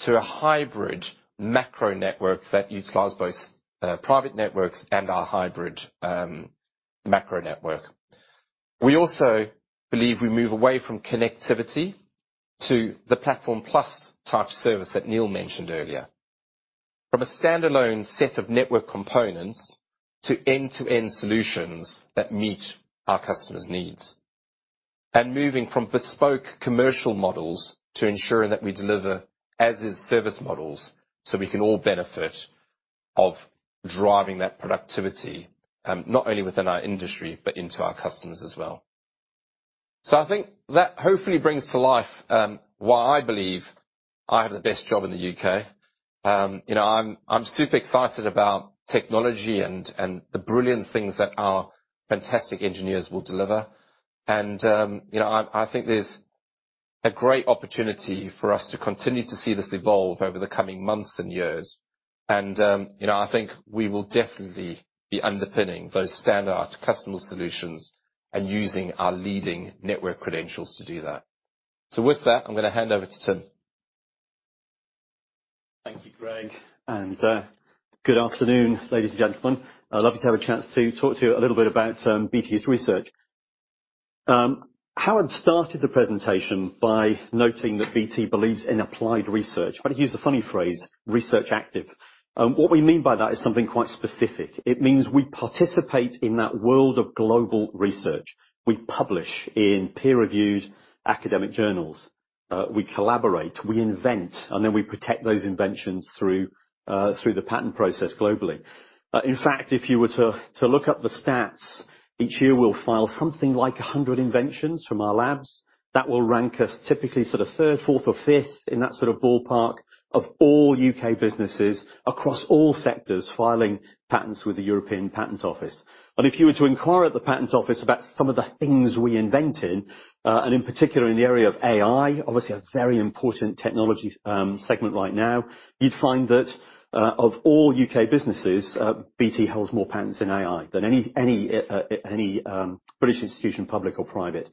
to a hybrid macro network that utilizes both, private networks and our hybrid, macro network. We also believe we move away from connectivity to the platform plus type service that Neil mentioned earlier. From a standalone set of network components to end-to-end solutions that meet our customers' needs. Moving from bespoke commercial models to ensuring that we deliver as is service models, so we can all benefit of driving that productivity, not only within our industry, but into our customers as well. I think that hopefully brings to life why I believe I have the best job in the U.K. You know, I'm super excited about technology and the brilliant things that our fantastic engineers will deliver. You know, I think there's a great opportunity for us to continue to see this evolve over the coming months and years. You know, I think we will definitely be underpinning those standard customer solutions and using our leading network credentials to do that. With that, I'm gonna hand over to Tim. Thank you, Greg, and good afternoon, ladies and gentlemen. I'd love to have a chance to talk to you a little bit about BT's research. Howard started the presentation by noting that BT believes in applied research, but he used the funny phrase, research active. What we mean by that is something quite specific. It means we participate in that world of global research. We publish in peer-reviewed academic journals. We collaborate, we invent, and then we protect those inventions through the patent process globally. In fact, if you were to look up the stats, each year, we'll file something like 100 inventions from our labs that will rank us typically sort of 3rd, 4th or 5th in that sort of ballpark of all U.K. businesses across all sectors, filing patents with the European Patent Office. If you were to inquire at the patent office about some of the things we invented, and in particular in the area of AI, obviously a very important technology segment right now, you'd find that of all U.K. businesses, BT holds more patents in AI than any British institution, public or private.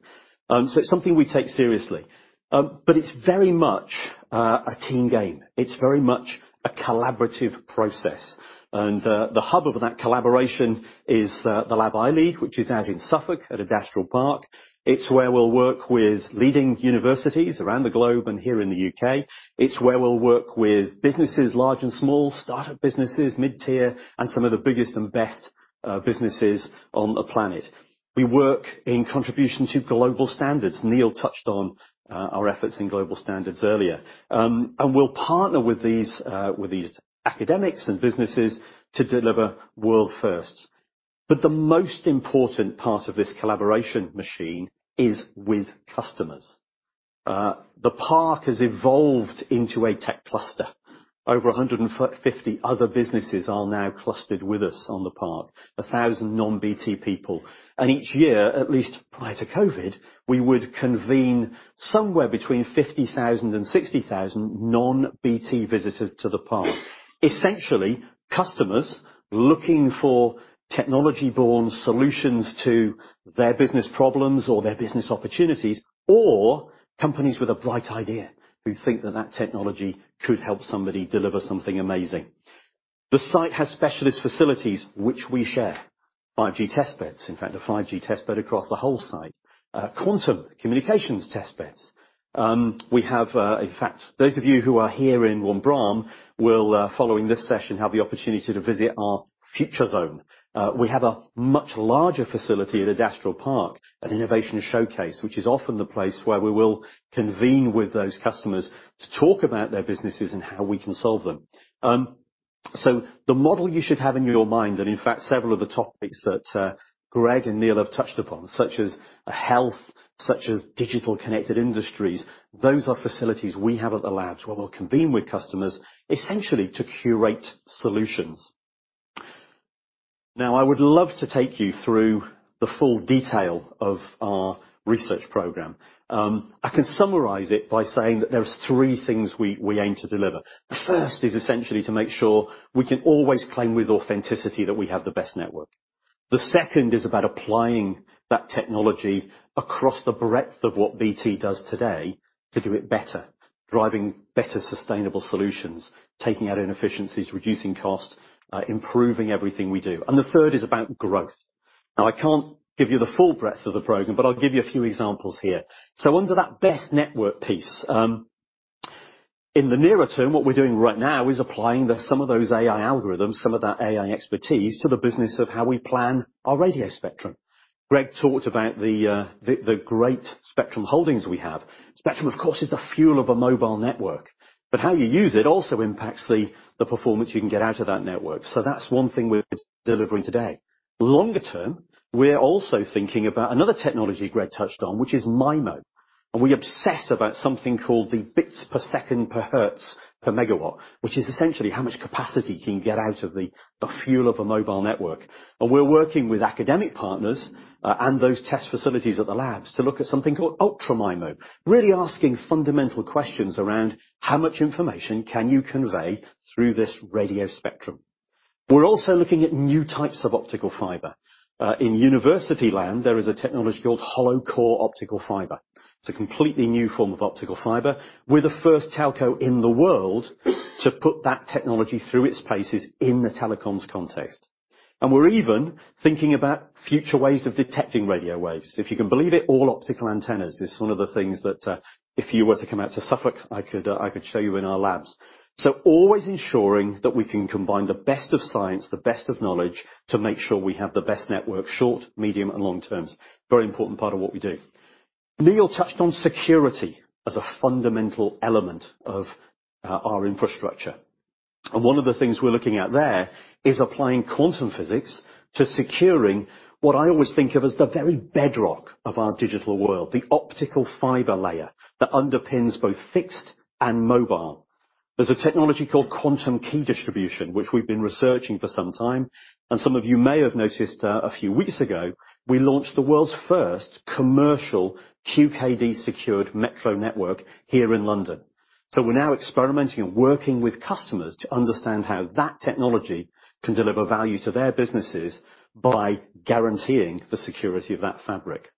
It's something we take seriously. It's very much a team game. It's very much a collaborative process. The hub of that collaboration is the lab I lead, which is out in Suffolk at Adastral Park. It's where we'll work with leading universities around the globe and here in the U.K. It's where we'll work with businesses, large and small, start-up businesses, mid-tier, and some of the biggest and best businesses on the planet. We work in contribution to global standards. Neil touched on our efforts in global standards earlier. We'll partner with these academics and businesses to deliver world-first. The most important part of this collaboration machine is with customers. The park has evolved into a tech cluster. Over 150 other businesses are now clustered with us on the park, 1,000 non-BT people. Each year, at least prior to COVID, we would convene somewhere between 50,000 and 60,000 non-BT visitors to the park. Essentially, customers looking for technology-born solutions to their business problems or their business opportunities, or companies with a bright idea who think that that technology could help somebody deliver something amazing. The site has specialist facilities, which we share. 5G testbeds, in fact, a 5G testbed across the whole site. Quantum communications testbeds. We have, in fact, those of you who are here in Wanborough will, following this session, have the opportunity to visit our future zone. We have a much larger facility at Adastral Park, an innovation showcase, which is often the place where we will convene with those customers to talk about their businesses and how we can solve them. So the model you should have in your mind, and in fact, several of the topics that, Greg and Neil have touched upon, such as health, such as digital connected industries, those are facilities we have at the labs where we'll convene with customers essentially to curate solutions. Now, I would love to take you through the full detail of our research program. I can summarize it by saying that there's 3 things we aim to deliver. The first is essentially to make sure we can always claim with authenticity that we have the best network. The second is about applying that technology across the breadth of what BT does today to do it better, driving better sustainable solutions, taking out inefficiencies, reducing costs, improving everything we do. The third is about growth. Now, I can't give you the full breadth of the program, but I'll give you a few examples here. Under that best network piece, in the nearer term, what we're doing right now is applying some of those AI algorithms, some of that AI expertise to the business of how we plan our radio spectrum. Greg talked about the great spectrum holdings we have. Spectrum, of course, is the fuel of a mobile network, but how you use it also impacts the performance you can get out of that network. That's one thing we're delivering today. Longer term, we're also thinking about another technology Greg touched on, which is MIMO. We obsess about something called the bits per second per hertz per megawatt, which is essentially how much capacity can you get out of the fuel of a mobile network. We're working with academic partners and those test facilities at the labs to look at something called Ultra MIMO. Really asking fundamental questions around how much information can you convey through this radio spectrum. We're also looking at new types of optical fiber. In university land, there is a technology called hollow-core optical fiber. It's a completely new form of optical fiber. We're the first telco in the world to put that technology through its paces in the telecoms context. We're even thinking about future ways of detecting radio waves. If you can believe it, all optical antennas is one of the things that, if you were to come out to Suffolk, I could show you in our labs. Always ensuring that we can combine the best of science, the best of knowledge to make sure we have the best network, short, medium, and long terms. Very important part of what we do. Neil touched on security as a fundamental element of, our infrastructure. One of the things we're looking at there is applying quantum physics to securing what I always think of as the very bedrock of our digital world, the optical fiber layer that underpins both fixed and mobile. There's a technology called quantum key distribution, which we've been researching for some time, and some of you may have noticed a few weeks ago, we launched the world's first commercial QKD secured metro network here in London. We're now experimenting and working with customers to understand how that technology can deliver value to their businesses by guaranteeing the security of that fabric.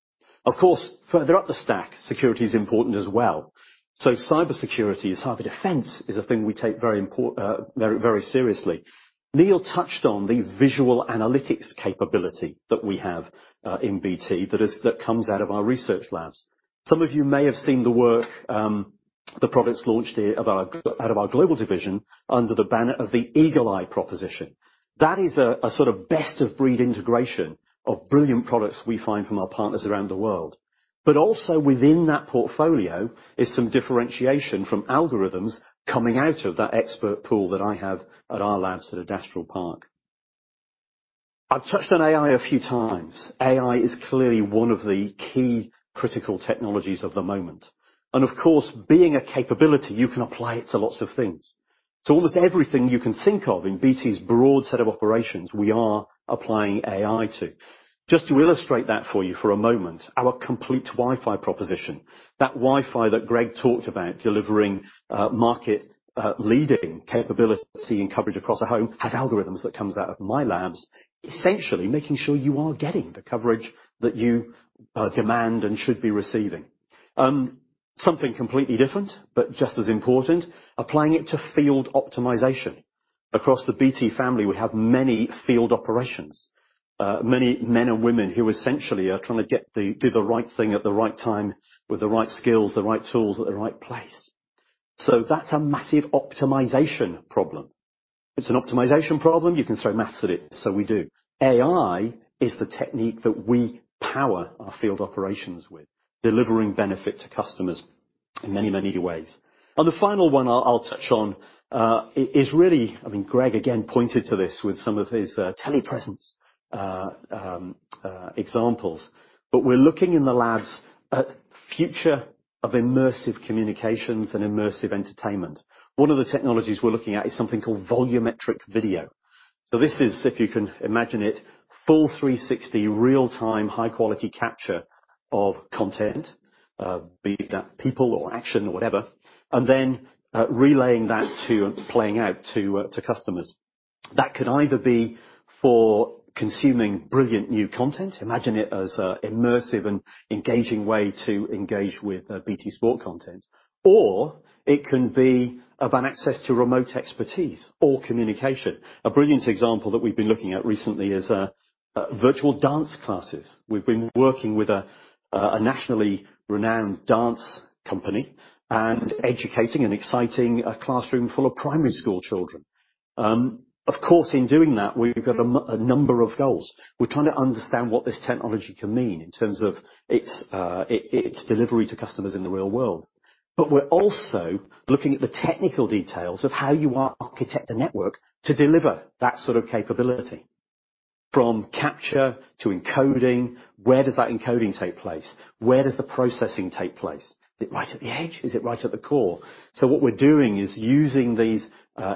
Of course, further up the stack, security is important as well. Cybersecurity is how the defense is a thing we take very, very seriously. Neil touched on the visual analytics capability that we have in BT. That comes out of our research labs. Some of you may have seen the work, the products launched here out of BT Global under the banner of the Eagle-i proposition. That is a sort of best-of-breed integration of brilliant products we find from our partners around the world. Also within that portfolio is some differentiation from algorithms coming out of that expert pool that I have at our labs at Adastral Park. I've touched on AI a few times. AI is clearly one of the key critical technologies of the moment. Of course, being a capability, you can apply it to lots of things. Almost everything you can think of in BT's broad set of operations, we are applying AI to. Just to illustrate that for you for a moment, our Complete Wi-Fi proposition. That Wi-Fi that Greg talked about, delivering market leading capability and coverage across a home, has algorithms that comes out of my labs, essentially making sure you are getting the coverage that you demand and should be receiving. Something completely different, but just as important, applying it to field optimization. Across the BT family we have many field operations. Many men and women who essentially are trying to do the right thing at the right time with the right skills, the right tools, at the right place. That's a massive optimization problem. If it's an optimization problem, you can throw math at it. We do. AI is the technique that we power our field operations with, delivering benefit to customers in many, many ways. The final one I'll touch on is really, I mean, Greg again pointed to this with some of his telepresence examples. We're looking in the labs at future of immersive communications and immersive entertainment. One of the technologies we're looking at is something called volumetric video. This is, if you can imagine it, full 360 real-time, high-quality capture of content, be that people or action or whatever, and then, relaying that to and playing out to customers. That could either be for consuming brilliant new content. Imagine it as a immersive and engaging way to engage with BT Sport content. It can be about access to remote expertise or communication. A brilliant example that we've been looking at recently is virtual dance classes. We've been working with a nationally renowned dance company and educating and exciting a classroom full of primary school children. Of course, in doing that, we've got a number of goals. We're trying to understand what this technology can mean in terms of its delivery to customers in the real world. We're also looking at the technical details of how you architect a network to deliver that sort of capability, from capture to encoding. Where does that encoding take place? Where does the processing take place? Is it right at the edge? Is it right at the core? What we're doing is using these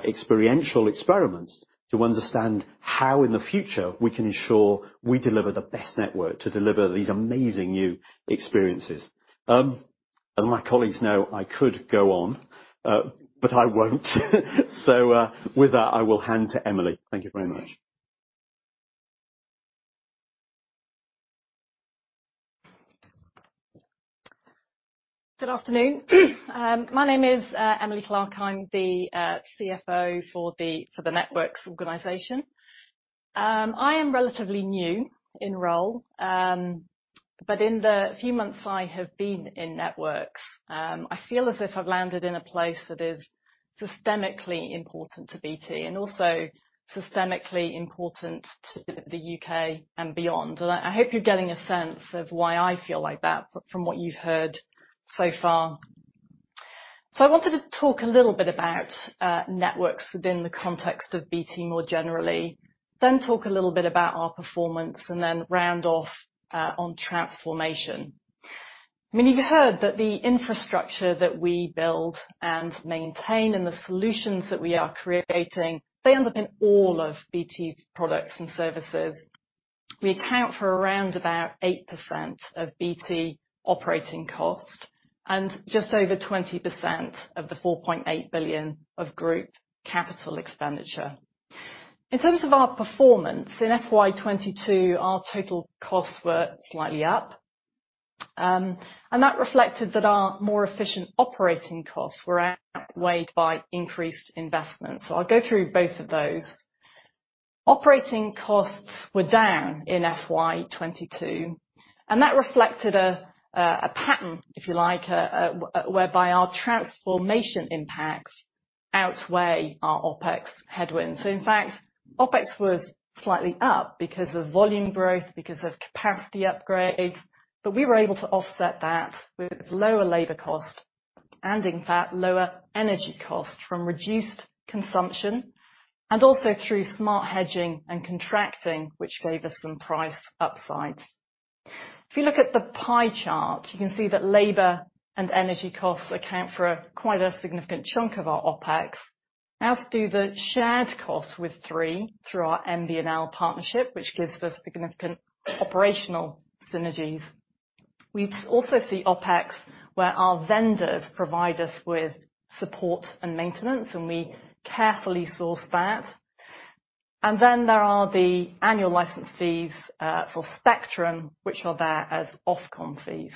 experiential experiments to understand how in the future we can ensure we deliver the best network to deliver these amazing new experiences. As my colleagues know, I could go on, but I won't. With that, I will hand to Emily. Thank you very much. Good afternoon. My name is Emily Clark. I'm the CFO for the networks organization. I am relatively new in role. But in the few months I have been in networks, I feel as if I've landed in a place that is systemically important to BT, and also systemically important to the U.K. and beyond. I hope you're getting a sense of why I feel like that from what you've heard so far. I wanted to talk a little bit about networks within the context of BT more generally, then talk a little bit about our performance, and then round off on transformation. I mean, you've heard that the infrastructure that we build and maintain and the solutions that we are creating, they end up in all of BT's products and services. We account for around about 8% of BT operating costs and just over 20% of the 4.8 billion of group capital expenditure. In terms of our performance, in FY22, our total costs were slightly up. That reflected that our more efficient operating costs were outweighed by increased investments. I'll go through both of those. Operating costs were down in FY22, and that reflected a pattern, if you like, whereby our transformation impacts outweigh our OpEx headwinds. In fact, OpEx was slightly up because of volume growth, because of capacity upgrades, but we were able to offset that with lower labor costs and in fact, lower energy costs from reduced consumption and also through smart hedging and contracting, which gave us some price upsides. If you look at the pie chart, you can see that labor and energy costs account for quite a significant chunk of our OpEx, as do the shared costs with Three through our MBNL partnership, which gives us significant operational synergies. We also see OpEx, where our vendors provide us with support and maintenance, and we carefully source that. There are the annual license fees, for spectrum, which are there as Ofcom fees.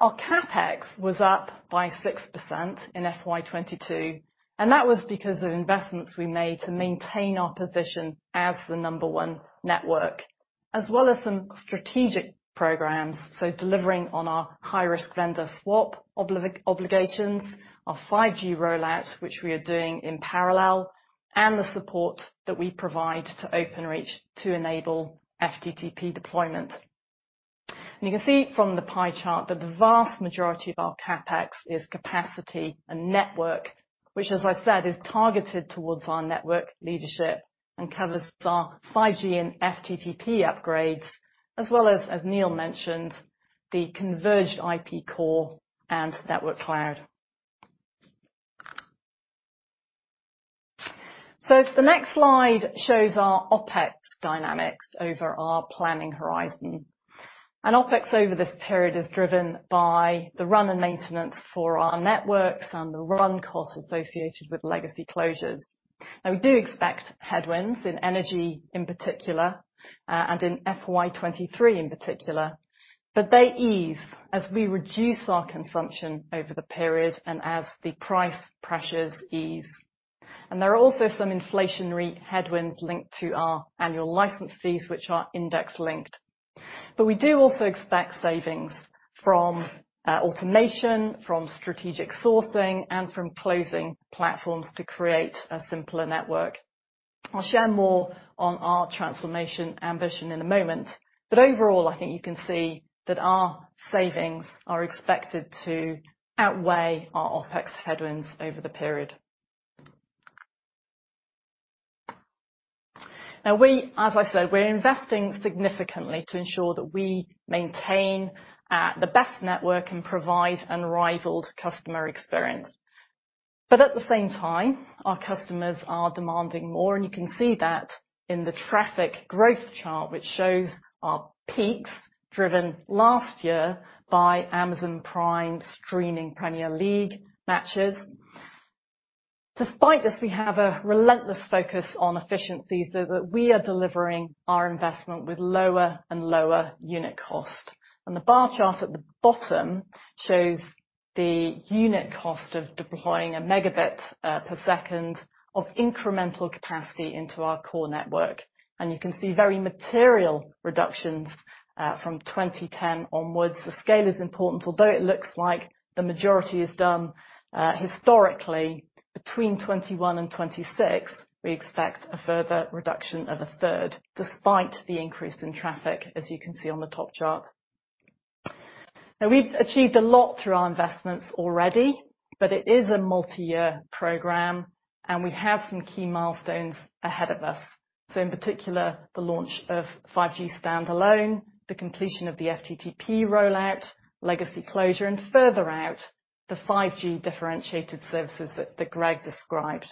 Our CapEx was up by 6% in FY22, and that was because of investments we made to maintain our position as the number one network, as well as some strategic programs, so delivering on our high-risk vendor swap obligations, our 5G rollout, which we are doing in parallel, and the support that we provide to Openreach to enable FTTP deployment. You can see from the pie chart that the vast majority of our CapEx is capacity and network, which as I said, is targeted towards our network leadership and covers our 5G and FTTP upgrades, as well as Neil mentioned, the converged IP core and network cloud. The next slide shows our OpEx dynamics over our planning horizon. OpEx over this period is driven by the run and maintenance for our networks and the run costs associated with legacy closures. Now, we do expect headwinds in energy in particular, and in FY23 in particular, but they ease as we reduce our consumption over the period and as the price pressures ease. There are also some inflationary headwinds linked to our annual license fees, which are index-linked. We do also expect savings from automation, from strategic sourcing, and from closing platforms to create a simpler network. I'll share more on our transformation ambition in a moment, but overall, I think you can see that our savings are expected to outweigh our OpEx headwinds over the period. Now we, as I said, we're investing significantly to ensure that we maintain the best network and provide unrivaled customer experience. At the same time, our customers are demanding more, and you can see that in the traffic growth chart, which shows our peaks driven last year by Amazon Prime streaming Premier League matches. Despite this, we have a relentless focus on efficiencies so that we are delivering our investment with lower and lower unit cost. The bar chart at the bottom shows the unit cost of deploying a megabit per second of incremental capacity into our core network. You can see very material reductions from 2010 onwards. The scale is important. Although it looks like the majority is done historically, between 2021 and 2026, we expect a further reduction of a third, despite the increase in traffic, as you can see on the top chart. Now, we've achieved a lot through our investments already, but it is a multi-year program, and we have some key milestones ahead of us. In particular, the launch of 5G standalone, the completion of the FTTP rollout, legacy closure, and further out, the 5G differentiated services that Greg described.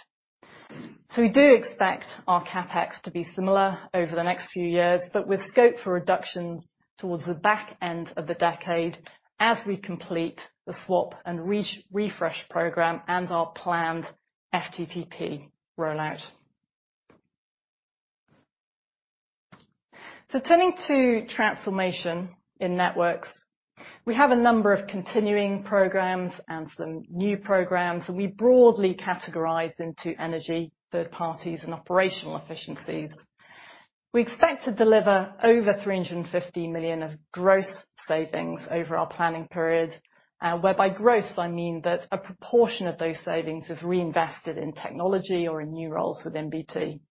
We do expect our CapEx to be similar over the next few years, but with scope for reductions towards the back end of the decade as we complete the swap and re-refresh program and our planned FTTP rollout. Turning to transformation in networks. We have a number of continuing programs and some new programs, and we broadly categorize into energy, third parties, and operational efficiencies. We expect to deliver over 350 million of gross savings over our planning period, whereby gross, I mean that a proportion of those savings is reinvested in technology or in new roles within BT.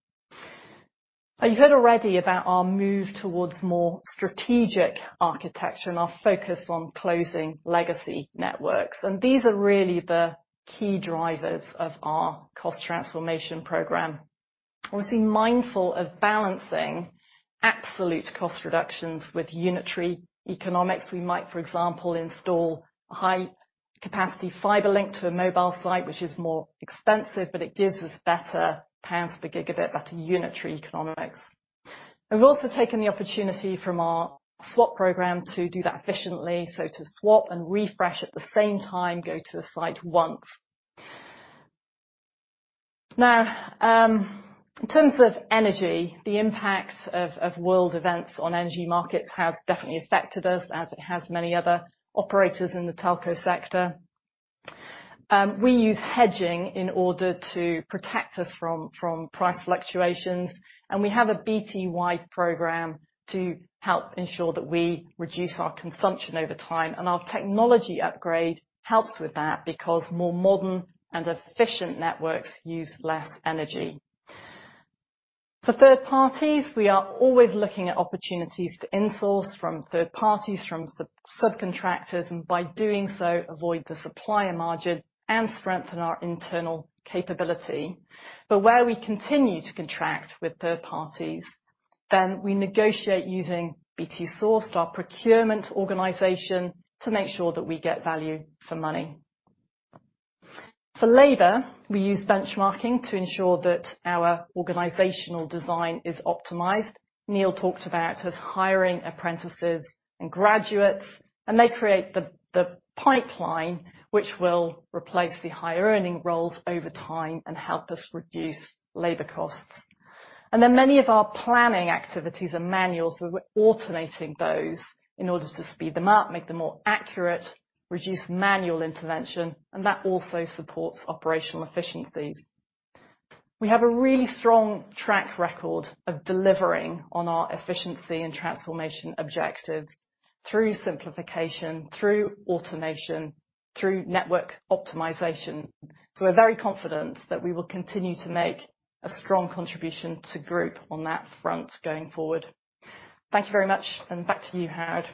You've heard already about our move towards more strategic architecture and our focus on closing legacy networks. These are really the key drivers of our cost transformation program. Obviously, mindful of balancing absolute cost reductions with unitary economics. We might, for example, install high-capacity fiber link to a mobile site, which is more expensive, but it gives us better pounds per gigabit, better unit economics. We've also taken the opportunity from our swap program to do that efficiently, so to swap and refresh at the same time, go to the site once. Now, in terms of energy, the impact of world events on energy markets have definitely affected us as it has many other operators in the telco sector. We use hedging in order to protect us from price fluctuations, and we have a BT program to help ensure that we reduce our consumption over time. Our technology upgrade helps with that because more modern and efficient networks use less energy. For third parties, we are always looking at opportunities to in-source from third parties, from sub-subcontractors, and by doing so, avoid the supplier margin and strengthen our internal capability. Where we continue to contract with third parties, then we negotiate using BT Sourced, our procurement organization, to make sure that we get value for money. For labor, we use benchmarking to ensure that our organizational design is optimized. Neil talked about us hiring apprentices and graduates, and they create the pipeline, which will replace the higher earning roles over time and help us reduce labor costs. Many of our planning activities are manual, so we're automating those in order to speed them up, make them more accurate, reduce manual intervention, and that also supports operational efficiencies. We have a really strong track record of delivering on our efficiency and transformation objectives through simplification, through automation, through network optimization. We're very confident that we will continue to make a strong contribution to group on that front going forward. Thank you very much. Back to you, Howard.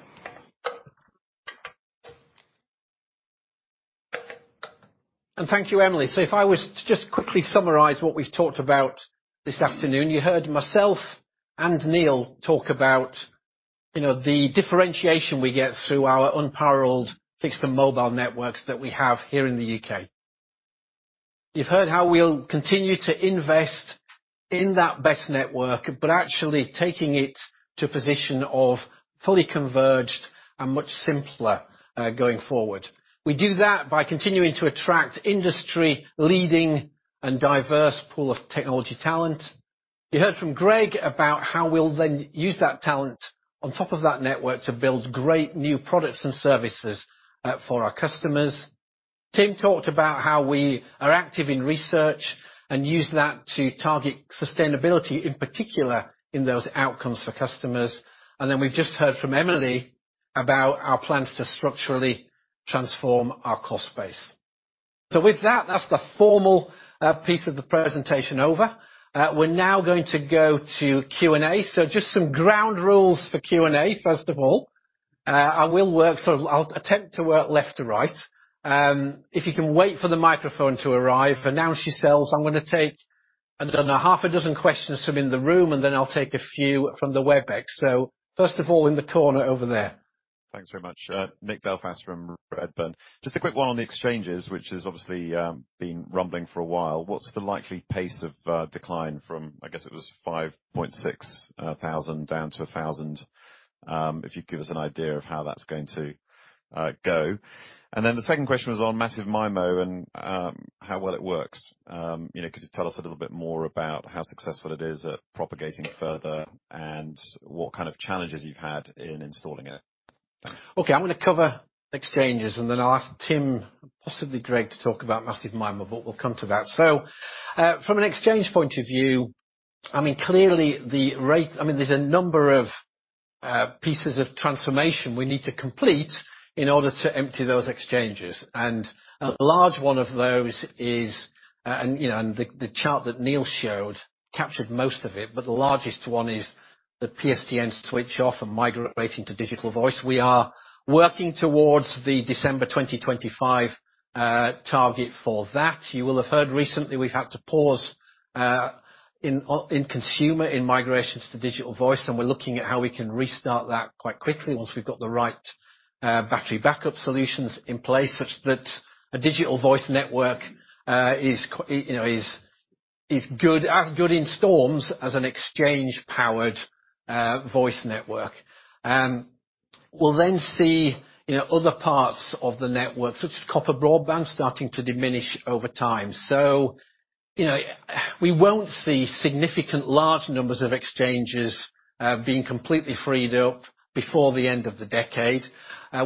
Thank you, Emily. If I was to just quickly summarize what we've talked about this afternoon. You heard myself and Neil talk about, you know, the differentiation we get through our unparalleled fixed and mobile networks that we have here in the UK. You've heard how we'll continue to invest in that best network, but actually taking it to a position of fully converged and much simpler, going forward. We do that by continuing to attract industry leading and diverse pool of technology talent. You heard from Greg about how we'll then use that talent on top of that network to build great new products and services, for our customers. Tim talked about how we are active in research and use that to target sustainability, in particular, in those outcomes for customers. We've just heard from Emily about our plans to structurally transform our cost base. With that's the formal piece of the presentation over. We're now going to go to Q&A. Just some ground rules for Q&A, first of all. I will work. I'll attempt to work left to right. If you can wait for the microphone to arrive. Announce yourselves. I'm gonna take, I don't know, half a dozen questions from in the room, and then I'll take a few from the Webex. First of all, in the corner over there. Thanks very much. Nick Delfas from Redburn. Just a quick one on the exchanges, which has obviously been rumbling for a while. What's the likely pace of decline from, I guess it was 5,600 down to 1,000? If you could give us an idea of how that's going to go. The second question was on Massive MIMO and how well it works. You know, could you tell us a little bit more about how successful it is at propagating it further and what kind of challenges you've had in installing it? Thanks. Okay, I'm gonna cover exchanges, and then I'll ask Tim, possibly Greg, to talk about Massive MIMO. We'll come to that. From an exchange point of view, I mean, clearly, there's a number of pieces of transformation we need to complete in order to empty those exchanges. A large one of those is, you know, the chart that Neil showed captured most of it, but the largest one is the PSTN switch off and migrating to Digital Voice. We are working towards the December 2025 target for that. You will have heard recently, we've had to pause in consumer migrations to Digital Voice, and we're looking at how we can restart that quite quickly once we've got the right battery backup solutions in place, such that a Digital Voice network is good, as good in storms as an exchange-powered voice network. We'll then see other parts of the network, such as copper broadband, starting to diminish over time. You know, we won't see significant large numbers of exchanges being completely freed up before the end of the decade.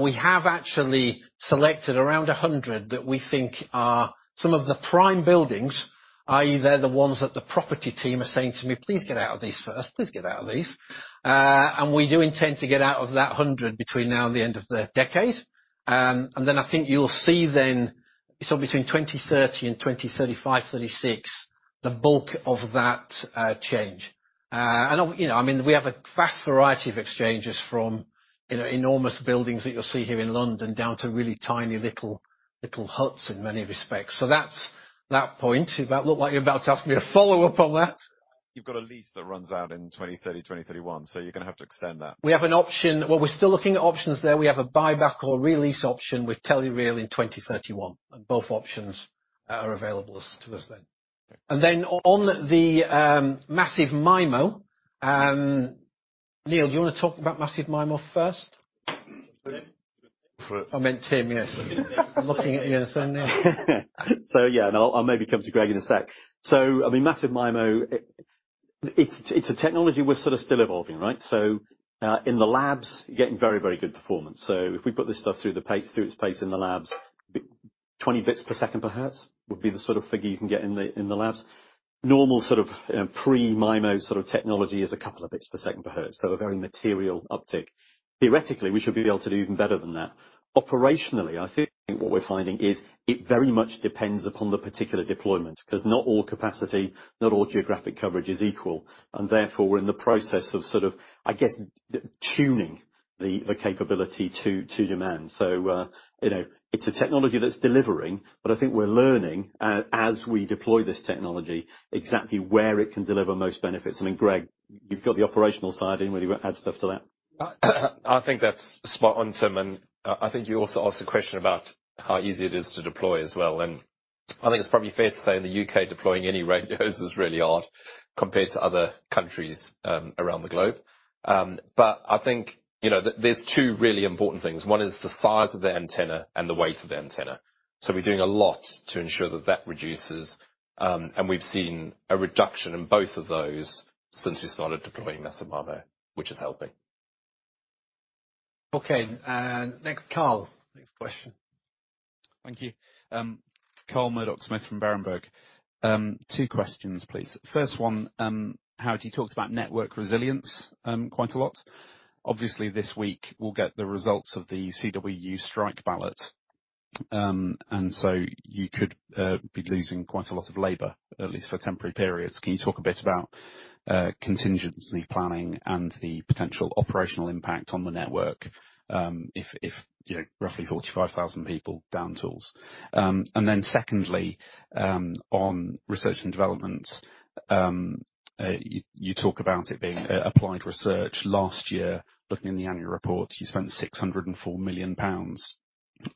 We have actually selected around 100 that we think are some of the prime buildings, i.e., they're the ones that the property team are saying to me, "Please get out of these first. Please get out of these. We do intend to get out of that 100 between now and the end of the decade. Then I think you'll see then, sort of between 2030 and 2035-36, the bulk of that change. You know, I mean, we have a vast variety of exchanges from, you know, enormous buildings that you'll see here in London down to really tiny little huts in many respects. So that's that point. That looks like you're about to ask me a follow-up on that. You've got a lease that runs out in 2030- 2031, so you're gonna have to extend that. We're still looking at options there. We have a buyback or re-lease option with Telereal Trillium in 2031. Both options are available as to those then. On the massive MIMO, Neil, do you wanna talk about massive MIMO first? Tim. I meant Tim, yes. I'm looking at you instead of Neil. Yeah, I'll maybe come to Greg in a sec. I mean, Massive MIMO, it's a technology we're sort of still evolving, right? In the labs, you're getting very, very good performance. If we put this stuff through its paces in the labs, 20 bits per second per hertz would be the sort of figure you can get in the labs. Normal sort of pre-MIMO sort of technology is a couple of bits per second per hertz. A very material uptick. Theoretically, we should be able to do even better than that. Operationally, I think what we're finding is it very much depends upon the particular deployment, 'cause not all capacity, not all geographic coverage is equal, and therefore, we're in the process of sort of, I guess, tuning the capability to demand. You know, it's a technology that's delivering, but I think we're learning as we deploy this technology exactly where it can deliver most benefits. I mean, Greg, you've got the operational side. Anything you wanna add stuff to that? I think that's spot on, Tim, and I think you also asked a question about how easy it is to deploy as well. I think it's probably fair to say in the U.K., deploying any radios is really hard compared to other countries around the globe. I think, you know, there's 2 really important things. One is the size of the antenna and the weight of the antenna. We're doing a lot to ensure that that reduces, and we've seen a reduction in both of those since we started deploying Massive MIMO, which is helping. Okay. Next, Carl. Next question. Thank you. Carl Murdock-Smith from Berenberg. Two questions, please. First one, Howard, you talked about network resilience quite a lot. Obviously, this week we'll get the results of the CWU strike ballot. You could be losing quite a lot of labor, at least for temporary periods. Can you talk a bit about contingency planning and the potential operational impact on the network if you know, roughly 45,000 people down tools? Then secondly, on research and development, you talk about it being applied research. Last year, looking in the annual report, you spent 604 million pounds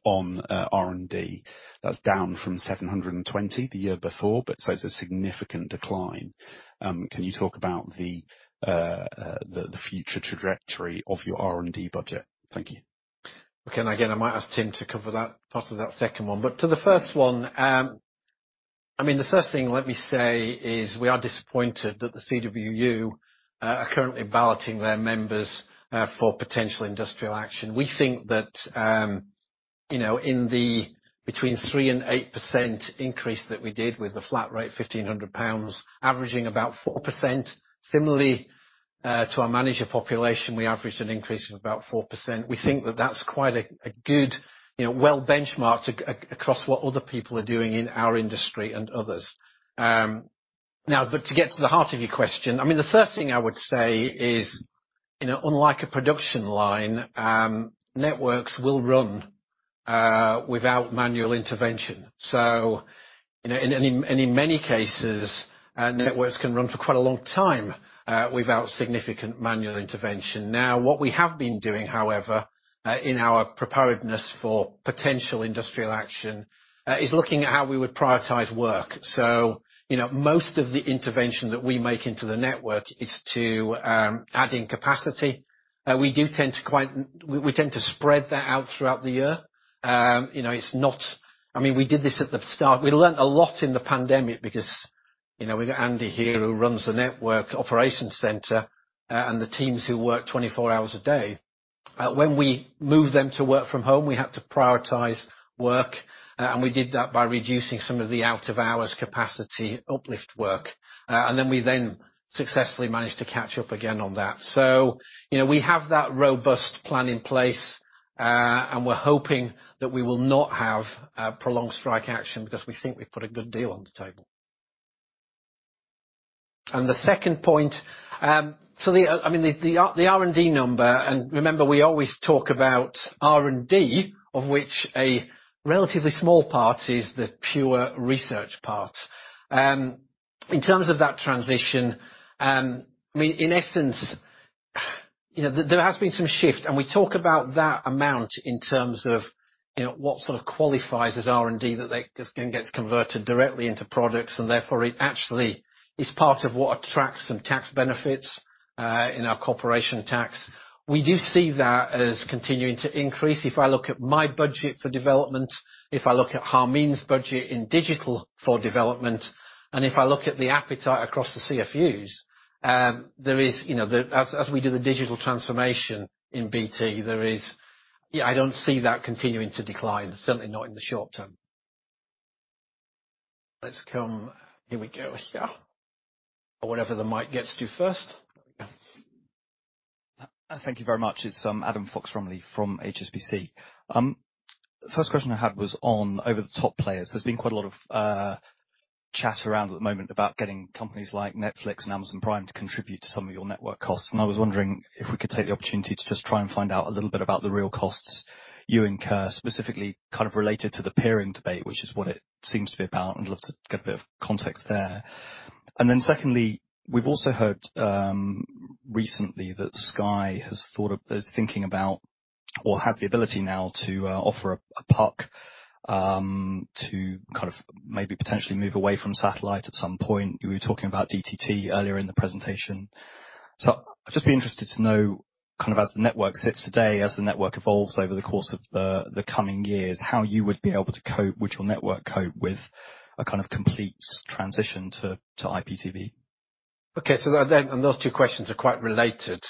on R&D. That's down from 720 million the year before, but so it's a significant decline. Can you talk about the future trajectory of your R&D budget? Thank you. Okay. I might ask Tim to cover that part of that second one. To the first one, I mean, the first thing let me say is we are disappointed that the CWU are currently balloting their members for potential industrial action. We think that, you know, in the between 3% and 8% increase that we did with the flat rate, 1,500 pounds, averaging about 4%. Similarly to our manager population, we averaged an increase of about 4%. We think that that's quite a good, you know, well-benchmarked across what other people are doing in our industry and others. Now to get to the heart of your question, I mean, the first thing I would say is, you know, unlike a production line, networks will run without manual intervention. In many cases, networks can run for quite a long time without significant manual intervention. Now, what we have been doing, however, in our preparedness for potential industrial action, is looking at how we would prioritize work. Most of the intervention that we make into the network is to add in capacity. We tend to spread that out throughout the year. I mean, we did this at the start. We learned a lot in the pandemic because we've got Andy here who runs the network operations center and the teams who work 24 hours a day. When we moved them to work from home, we had to prioritize work, and we did that by reducing some of the out of hours capacity uplift work. We successfully managed to catch up again on that. You know, we have that robust plan in place, and we're hoping that we will not have a prolonged strike action because we think we've put a good deal on the table. The second point, I mean, the R&D number, and remember, we always talk about R&D, of which a relatively small part is the pure research part. In terms of that transition, I mean, in essence, you know, there has been some shift, and we talk about that amount in terms of, you know, what sort of qualifies as R&D that they just, again, gets converted directly into products, and therefore it actually is part of what attracts some tax benefits in our corporation tax. We do see that as continuing to increase. If I look at my budget for development, if I look at Harmeen's budget in digital for development, and if I look at the appetite across the CFUs, there is, you know. As we do the digital transformation in BT, there is. I don't see that continuing to decline, certainly not in the short term. Thank you very much. It's Adam Fox-Rumley from HSBC. First question I had was on over-the-top players. There's been quite a lot of chat around at the moment about getting companies like Netflix and Amazon Prime to contribute to some of your network costs, and I was wondering if we could take the opportunity to just try and find out a little bit about the real costs you incur, specifically kind of related to the peering debate, which is what it seems to be about. I'd love to get a bit of context there. Secondly, we've also heard recently that Sky is thinking about or has the ability now to offer a puck to kind of maybe potentially move away from satellite at some point. We were talking about DTT earlier in the presentation. I'd just be interested to know, kind of as the network sits today, as the network evolves over the course of the coming years, would your network cope with a kind of complete transition to IPTV? Those two questions are quite related.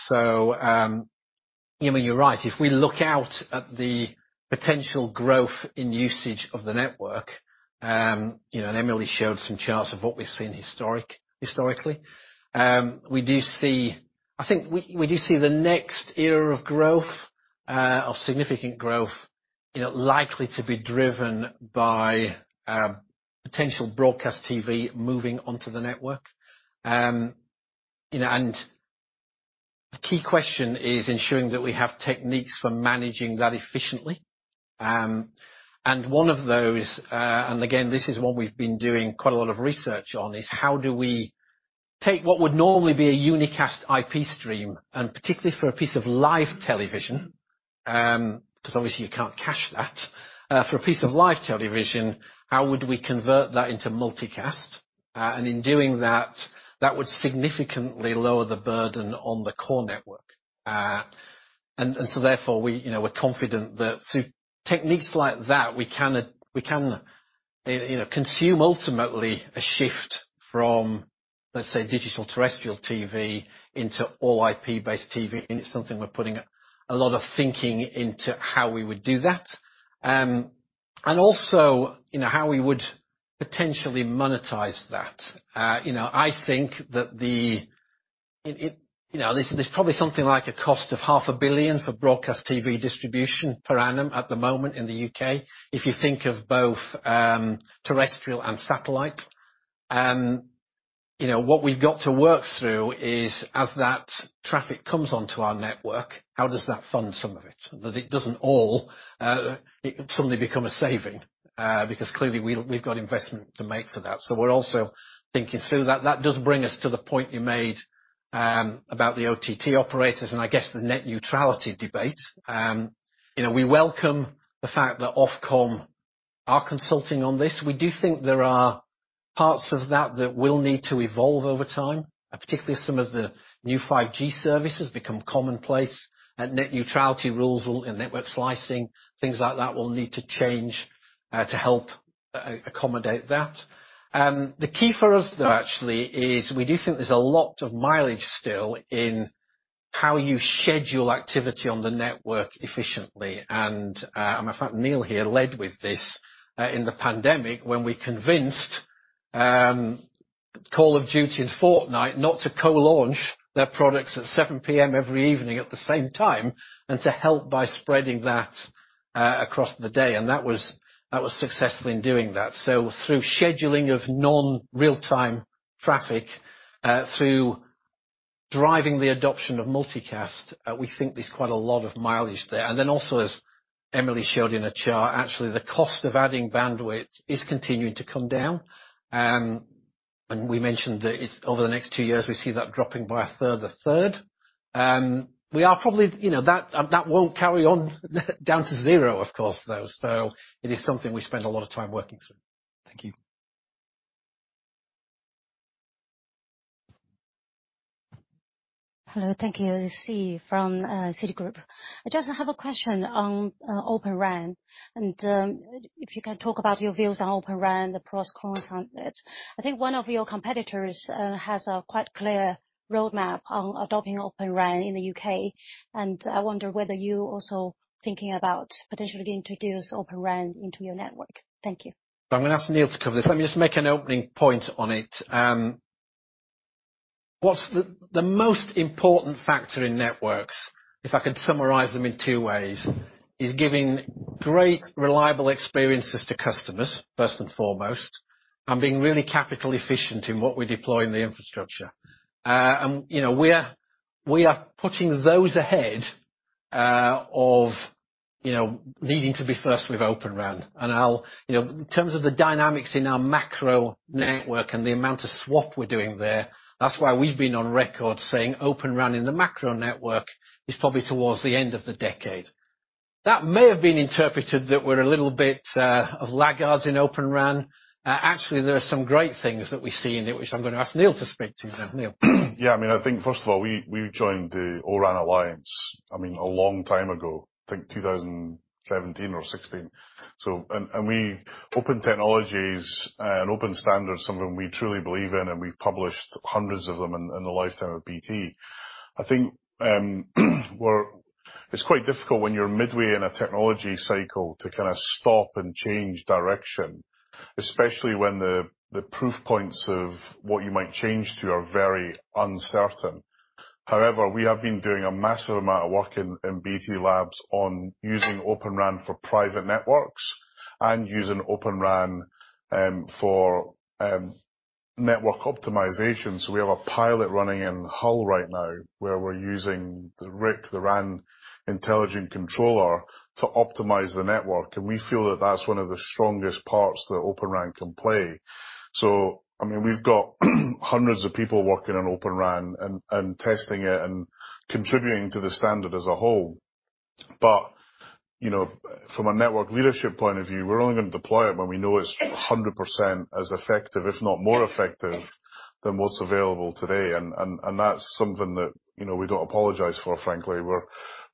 You know, you're right. If we look out at the potential growth in usage of the network, you know, and Emily showed some charts of what we've seen historically. We do see the next era of significant growth, you know, likely to be driven by potential broadcast TV moving onto the network. You know, the key question is ensuring that we have techniques for managing that efficiently. One of those, and again, this is one we've been doing quite a lot of research on, is how do we take what would normally be a unicast IP stream, and particularly for a piece of live television, 'cause obviously you can't cache that. For a piece of live television, how would we convert that into multicast? In doing that would significantly lower the burden on the core network. Therefore we, you know, we're confident that through techniques like that, we can consume ultimately a shift from, let's say, digital terrestrial TV into all IP-based TV, and it's something we're putting a lot of thinking into how we would do that. Also, you know, how we would potentially monetize that. You know, I think that. You know, there's probably something like a cost of half a billion GBP for broadcast TV distribution per annum at the moment in the U.K., if you think of both, terrestrial and satellite. You know, what we've got to work through is, as that traffic comes onto our network, how does that fund some of it? That it doesn't all suddenly become a saving because clearly we've got investment to make for that. We're also thinking through. That does bring us to the point you made about the OTT operators and I guess the net neutrality debate. You know, we welcome the fact that Ofcom are consulting on this. We do think there are parts of that that will need to evolve over time, particularly as some of the new 5G services become commonplace and net neutrality rules and network slicing, things like that will need to change to help accommodate that. The key for us, though, actually is we do think there's a lot of mileage still in how you schedule activity on the network efficiently and, matter of fact, Neil here led with this in the pandemic when we convinced Call of Duty and Fortnite not to co-launch their products at 7 P.M. every evening at the same time, and to help by spreading that across the day. That was successful in doing that. Through scheduling of non-real time traffic, through driving the adoption of multicast, we think there's quite a lot of mileage there. Then also, as Emily showed you in her chart, actually the cost of adding bandwidth is continuing to come down, and we mentioned that it's over the next 2 years, we see that dropping by a further third. We are probably... You know, that won't carry on down to zero, of course, though, so it is something we spend a lot of time working through. Thank you. Hello. Thank you. This is from Citigroup. I just have a question on Open RAN, and if you can talk about your views on Open RAN, the pros, cons on it. I think one of your competitors has a quite clear roadmap on adopting Open RAN in the U.K., and I wonder whether you're also thinking about potentially introduce Open RAN into your network. Thank you. I'm gonna ask Neil to cover this. Let me just make an opening point on it. What's the most important factor in networks, if I could summarize them in 2 ways, is giving great, reliable experiences to customers, first and foremost, and being really capital efficient in what we deploy in the infrastructure. You know, we are putting those ahead of you know needing to be first with Open RAN. You know, in terms of the dynamics in our macro network and the amount of swap we're doing there, that's why we've been on record saying Open RAN in the macro network is probably towards the end of the decade. That may have been interpreted that we're a little bit of laggards in Open RAN. Actually, there are some great things that we see in it, which I'm gonna ask Neil to speak to now. Neil. Yeah. I mean, I think first of all, we joined the O-RAN Alliance, I mean, a long time ago, I think 2017 or 2016. Open technologies and open standards are something we truly believe in, and we've published hundreds of them in the lifetime of BT. I think, we're It's quite difficult when you're midway in a technology cycle to kind of stop and change direction, especially when the proof points of what you might change to are very uncertain. However, we have been doing a massive amount of work in BT Labs on using Open RAN for private networks and using Open RAN for network optimization. We have a pilot running in Hull right now where we're using the RIC, the RAN intelligent controller to optimize the network, and we feel that that's one of the strongest parts that Open RAN can play. I mean, we've got hundreds of people working on Open RAN and testing it and contributing to the standard as a whole. You know, from a network leadership point of view, we're only gonna deploy it when we know it's 100% as effective, if not more effective than what's available today. That's something that, you know, we don't apologize for, frankly. We're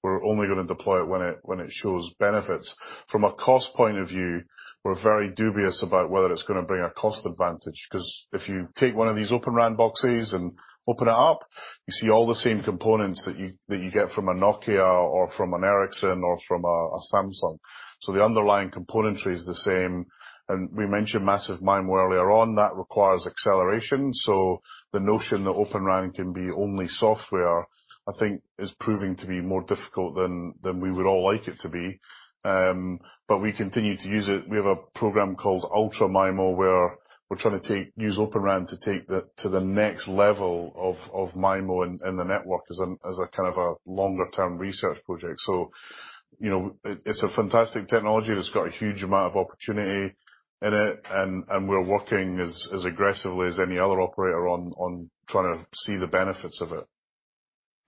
only gonna deploy it when it shows benefits. From a cost point of view, we're very dubious about whether it's gonna bring a cost advantage, 'cause if you take one of these Open RAN boxes and open it up, you see all the same components that you get from a Nokia or from an Ericsson or from a Samsung. So the underlying componentry is the same. We mentioned Massive MIMO earlier on. That requires acceleration. The notion that Open RAN can be only software, I think is proving to be more difficult than we would all like it to be. We continue to use it. We have a program called Ultra-Massive MIMO, where we're trying to use Open RAN to take it to the next level of MIMO in the network as a kind of a longer-term research project. You know, it's a fantastic technology that's got a huge amount of opportunity in it and we're working as aggressively as any other operator on trying to see the benefits of it.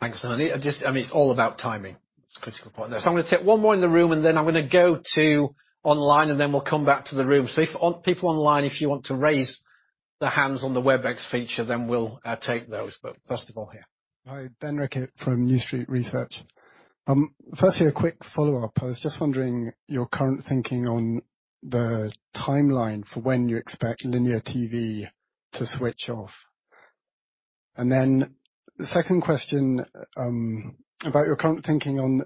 Thanks. Just, I mean, it's all about timing. It's a critical point there. I'm gonna take one more in the room, and then I'm gonna go to online, and then we'll come back to the room. If people online, if you want to raise their hands on the Webex feature, then we'll take those. First of all, here. Hi. Ben Ricketts from New Street Research. Firstly, a quick follow-up. I was just wondering your current thinking on the timeline for when you expect linear TV to switch off. Then the second question, about your current thinking on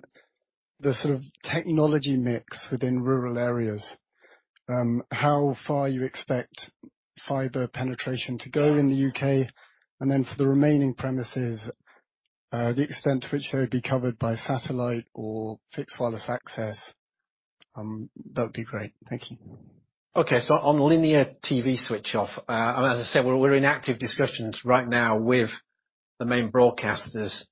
the sort of technology mix within rural areas, how far you expect fiber penetration to go in the U.K., and then for the remaining premises, the extent to which they would be covered by satellite or fixed wireless access, that would be great. Thank you. Okay on linear TV switch off, as I said, we're in active discussions right now with the main broadcasters.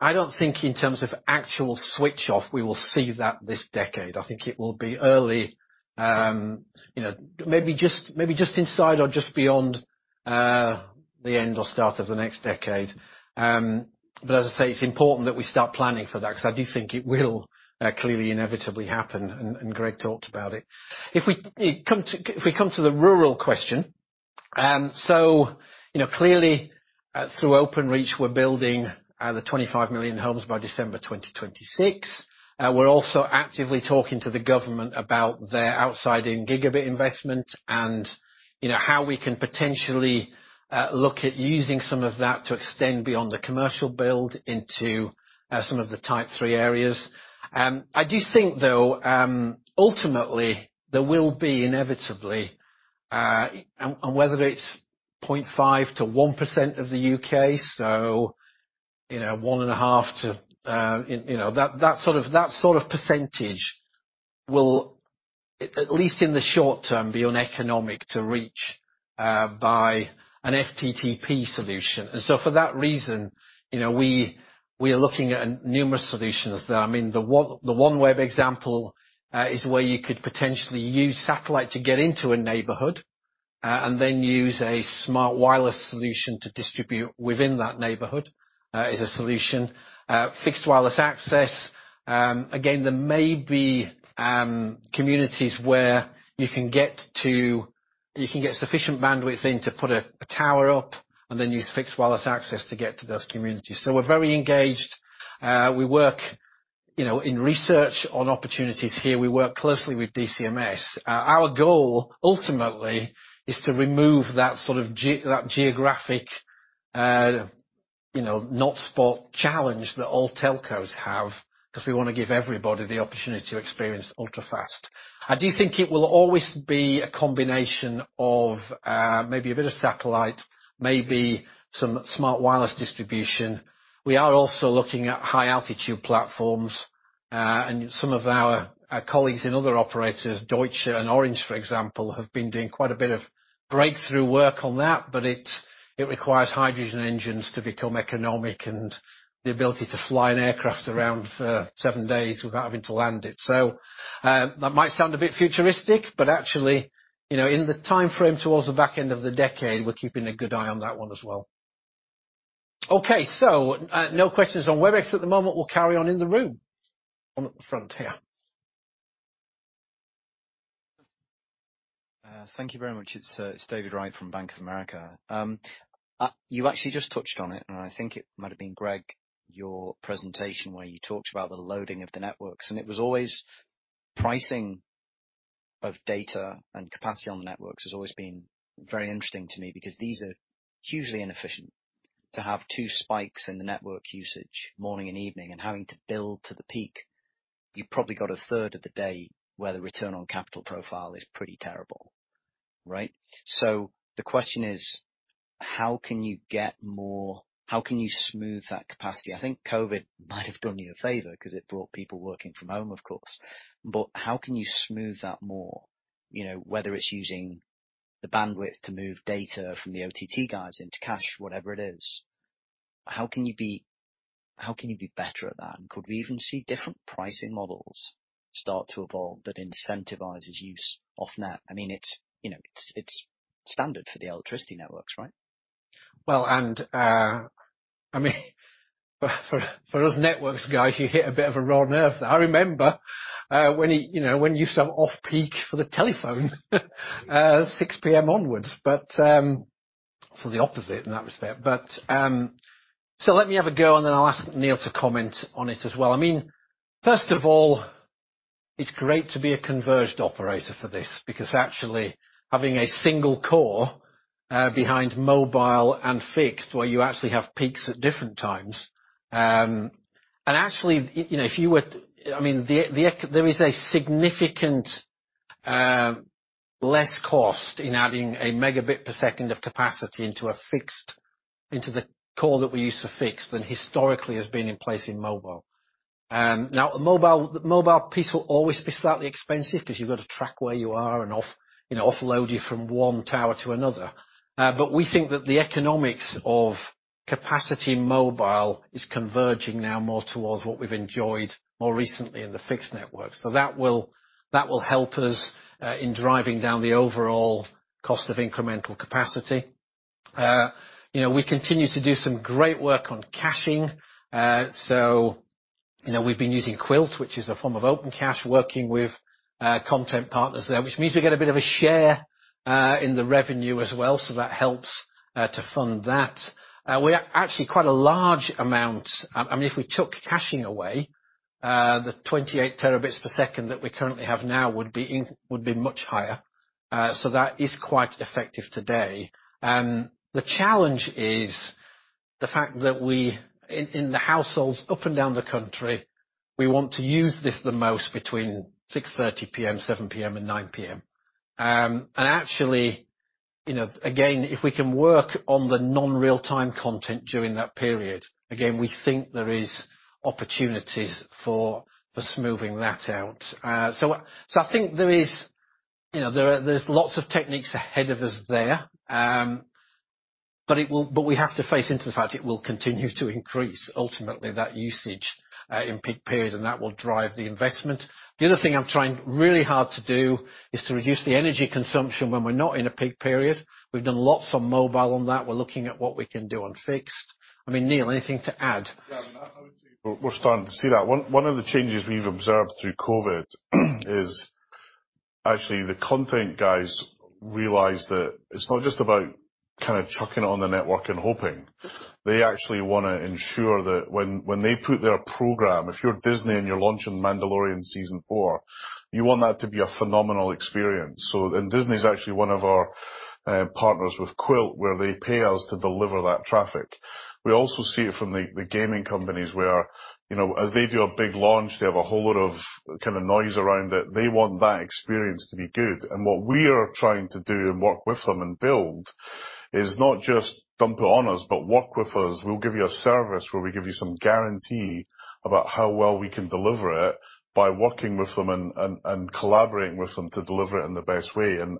I don't think in terms of actual switch off, we will see that this decade. I think it will be early, you know, maybe just inside or just beyond, the end or start of the next decade. But as I say, it's important that we start planning for that 'cause I do think it will clearly inevitably happen, and Greg talked about it. If we come to the rural question, you know, clearly, through Openreach, we're building the 25 million homes by December 2026. We're also actively talking to the government about their outside-in gigabit investment and, you know, how we can potentially look at using some of that to extend beyond the commercial build into some of the Type 3 areas. I do think, though, ultimately there will be inevitably and whether it's 0.5% to 1% of the U.K., you know, that sort of percentage will, at least in the short term, be uneconomic to reach by an FTTP solution. For that reason, you know, we are looking at numerous solutions that... I mean, the OneWeb example is where you could potentially use satellite to get into a neighborhood and then use a smart wireless solution to distribute within that neighborhood is a solution. Fixed wireless access. Again, there may be communities where you can get sufficient bandwidth in to put a tower up and then use fixed wireless access to get to those communities. We're very engaged. We work, you know, in research on opportunities here. We work closely with DCMS. Our goal ultimately is to remove that sort of geographic, you know, not spot challenge that all telcos have 'cause we wanna give everybody the opportunity to experience ultra-fast. I do think it will always be a combination of maybe a bit of satellite, maybe some smart wireless distribution. We are also looking at high altitude platforms, and some of our colleagues in other operators, Deutsche and Orange, for example, have been doing quite a bit of breakthrough work on that, but it requires hydrogen engines to become economic and the ability to fly an aircraft around for 7 days without having to land it. That might sound a bit futuristic, but actually, you know, in the timeframe towards the back end of the decade, we're keeping a good eye on that one as well. Okay, no questions on Webex at the moment. We'll carry on in the room. One at the front here. Thank you very much. It's David Wright from Bank of America. You actually just touched on it, and I think it might have been Greg, your presentation, where you talked about the loading of the networks, and it was always pricing of data and capacity on the networks has always been very interesting to me because these are hugely inefficient. To have 2 spikes in the network usage morning and evening and having to build to the peak, you probably got a third of the day where the return on capital profile is pretty terrible, right? The question is, how can you smooth that capacity? I think COVID might have done you a favor 'cause it brought people working from home, of course. How can you smooth that more? You know, whether it's using the bandwidth to move data from the OTT guys into cache, whatever it is. How can you be better at that? Could we even see different pricing models start to evolve that incentivizes use of net? I mean, it's, you know, it's standard for the electricity networks, right? For us networks guys, you hit a bit of a raw nerve there. I remember when you know, when you used to have off-peak for the telephone, 6 P.M. onwards. The opposite in that respect. Let me have a go, and then I'll ask Neil to comment on it as well. I mean, first of all, it's great to be a converged operator for this because actually having a single core behind mobile and fixed where you actually have peaks at different times. Actually, you know, I mean, there is a significant less cost in adding a megabit per second of capacity into a fixed, into the core that we use for fixed than historically has been in place in mobile. Now, the mobile piece will always be slightly expensive because you've got to track where you are and offload you from one tower to another. We think that the economics of capacity mobile is converging now more towards what we've enjoyed more recently in the fixed network. That will help us in driving down the overall cost of incremental capacity. You know, we continue to do some great work on caching. You know, we've been using Qwilt, which is a form of Open Caching, working with content partners there, which means we get a bit of a share in the revenue as well, so that helps to fund that. We are actually quite a large amount. I mean, if we took caching away, the 28 Tb/s that we currently have now would be much higher. That is quite effective today. The challenge is the fact that we, in the households up and down the country, we want to use this the most between 6:30 P.M., 7:00 P.M., and 9:00 P.M. Actually, you know, again, if we can work on the non-real time content during that period, again, we think there is opportunities for smoothing that out. I think there is, you know, there's lots of techniques ahead of us there. We have to face up to the fact it will continue to increase ultimately that usage in peak period, and that will drive the investment. The other thing I'm trying really hard to do is to reduce the energy consumption when we're not in a peak period. We've done lots on mobile on that. We're looking at what we can do on fixed. I mean, Neil, anything to add? Yeah. I would say we're starting to see that. One of the changes we've observed through COVID is actually the content guys realized that it's not just about kind of chucking it on the network and hoping. They actually wanna ensure that when they put their program, if you're Disney and you're launching Mandalorian season four, you want that to be a phenomenal experience. Disney is actually one of our partners with Qwilt, where they pay us to deliver that traffic. We also see it from the gaming companies where, you know, as they do a big launch, they have a whole lot of kind of noise around it. They want that experience to be good. What we are trying to do and work with them and build is not just dump it on us, but work with us. We'll give you a service where we give you some guarantee about how well we can deliver it by working with them and collaborating with them to deliver it in the best way. You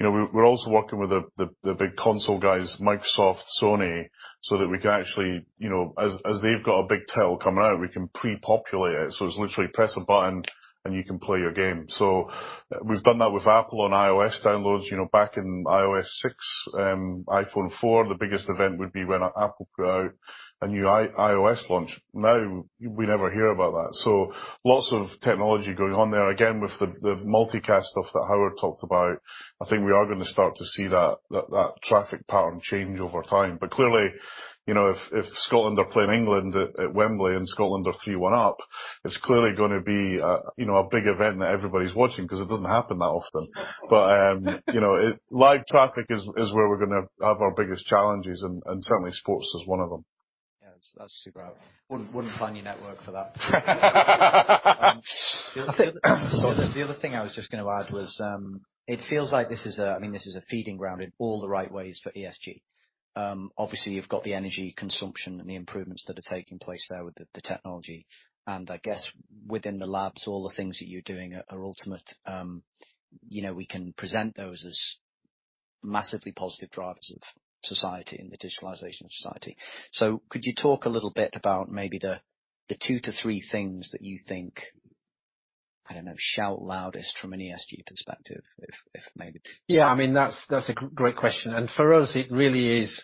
know, we're also working with the big console guys, Microsoft, Sony, so that we can actually, you know, as they've got a big title coming out, we can pre-populate it. It's literally press a button and you can play your game. We've done that with Apple on iOS downloads. You know, back in iOS 6, iPhone 4, the biggest event would be when Apple put out a new iOS launch. Now we never hear about that. Lots of technology going on there. Again, with the multicast stuff that Howard talked about, I think we are gonna start to see that traffic pattern change over time. Clearly, you know, if Scotland are playing England at Wembley and Scotland are 3-1 up, it's clearly gonna be a big event that everybody's watching 'cause it doesn't happen that often. Live traffic is where we're gonna have our biggest challenges, and certainly sports is one of them. Yeah. That's super helpful. Wouldn't plan your network for that. The other thing I was just gonna add was, it feels like this is a feeding ground in all the right ways for ESG. Obviously you've got the energy consumption and the improvements that are taking place there with the technology. I guess within the labs, all the things that you're doing are ultimate. You know, we can present those as massively positive drivers of society and the digitalization of society. Could you talk a little bit about maybe the 2 to 3 things that you think shout loudest from an ESG perspective if maybe- Yeah, I mean, that's a great question. For us, it really is,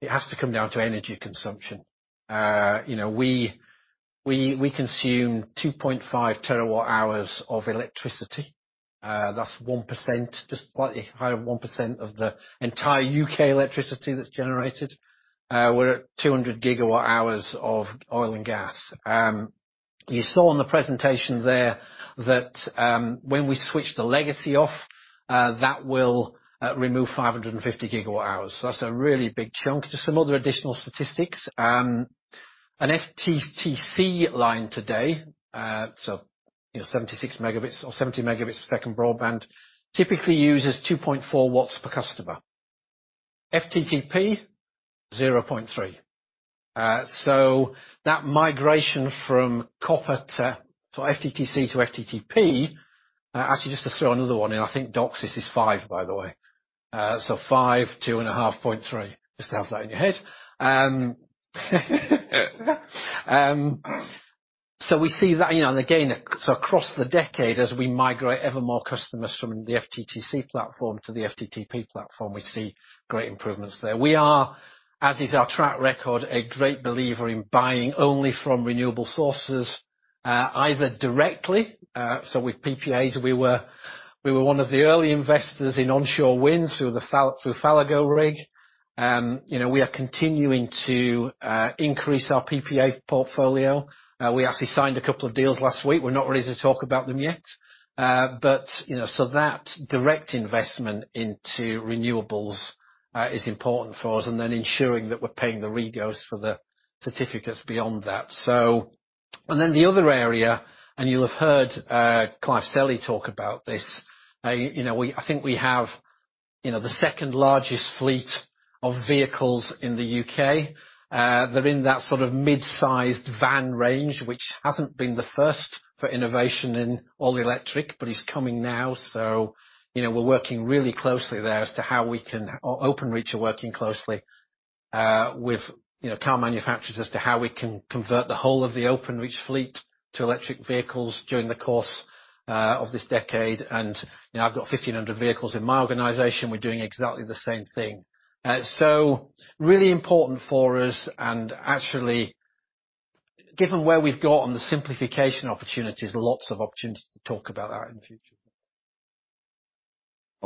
it has to come down to energy consumption. You know, we consume 2.5 TWh of electricity. That's 1%, just slightly higher than 1% of the entire U.K. electricity that's generated. We're at 200 GWh of oil and gas. You saw on the presentation there that, when we switch the legacy off, that will remove 550 GWh. So that's a really big chunk. Just some other additional statistics. An FTTC line today, 76 Mbps or 70 Mbps broadband, typically uses 2.4 W per customer. FTTP, 0.3. That migration from copper. FTTC to FTTP, actually just to throw another one in, I think DOCSIS is 5, by the way. 5, 2.5, 0.3. Just to have that in your head. We see that, you know, and again, across the decade, as we migrate ever more customers from the FTTC platform to the FTTP platform, we see great improvements there. We are, as is our track record, a great believer in buying only from renewable sources, either directly, with PPAs. We were one of the early investors in onshore wind through Fallago Rig. You know, we are continuing to increase our PPA portfolio. We actually signed a couple of deals last week. We're not ready to talk about them yet. Direct investment into renewables is important for us, and then ensuring that we're paying the REGOs for the certificates beyond that. The other area, and you'll have heard, Clive Selley talk about this. I think we have the second-largest fleet of vehicles in the UK. They're in that sort of mid-sized van range, which hasn't been the first for innovation in all-electric, but is coming now. We're working really closely there as to how we can. Openreach are working closely with car manufacturers as to how we can convert the whole of the Openreach fleet to electric vehicles during the course of this decade. I've got 1,500 vehicles in my organization. We're doing exactly the same thing. Really important for us and actually, given where we've got on the simplification opportunities, lots of opportunities to talk about that in the future.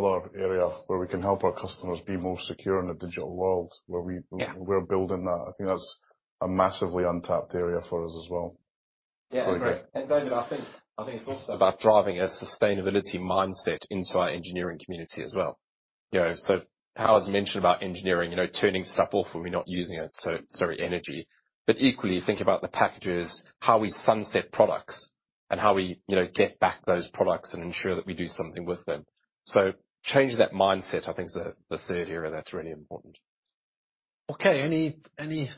Another area where we can help our customers be more secure in the digital world. Yeah. We're building that. I think that's a massively untapped area for us as well. Yeah. Great. Going with that, I think it's also about driving a sustainability mindset into our engineering community as well. You know, so Howard's mentioned about engineering, you know, turning stuff off when we're not using it, so it's very energy. Equally, think about the packages, how we sunset products and how we, you know, get back those products and ensure that we do something with them. Changing that mindset, I think is the third area that's really important. Okay. Any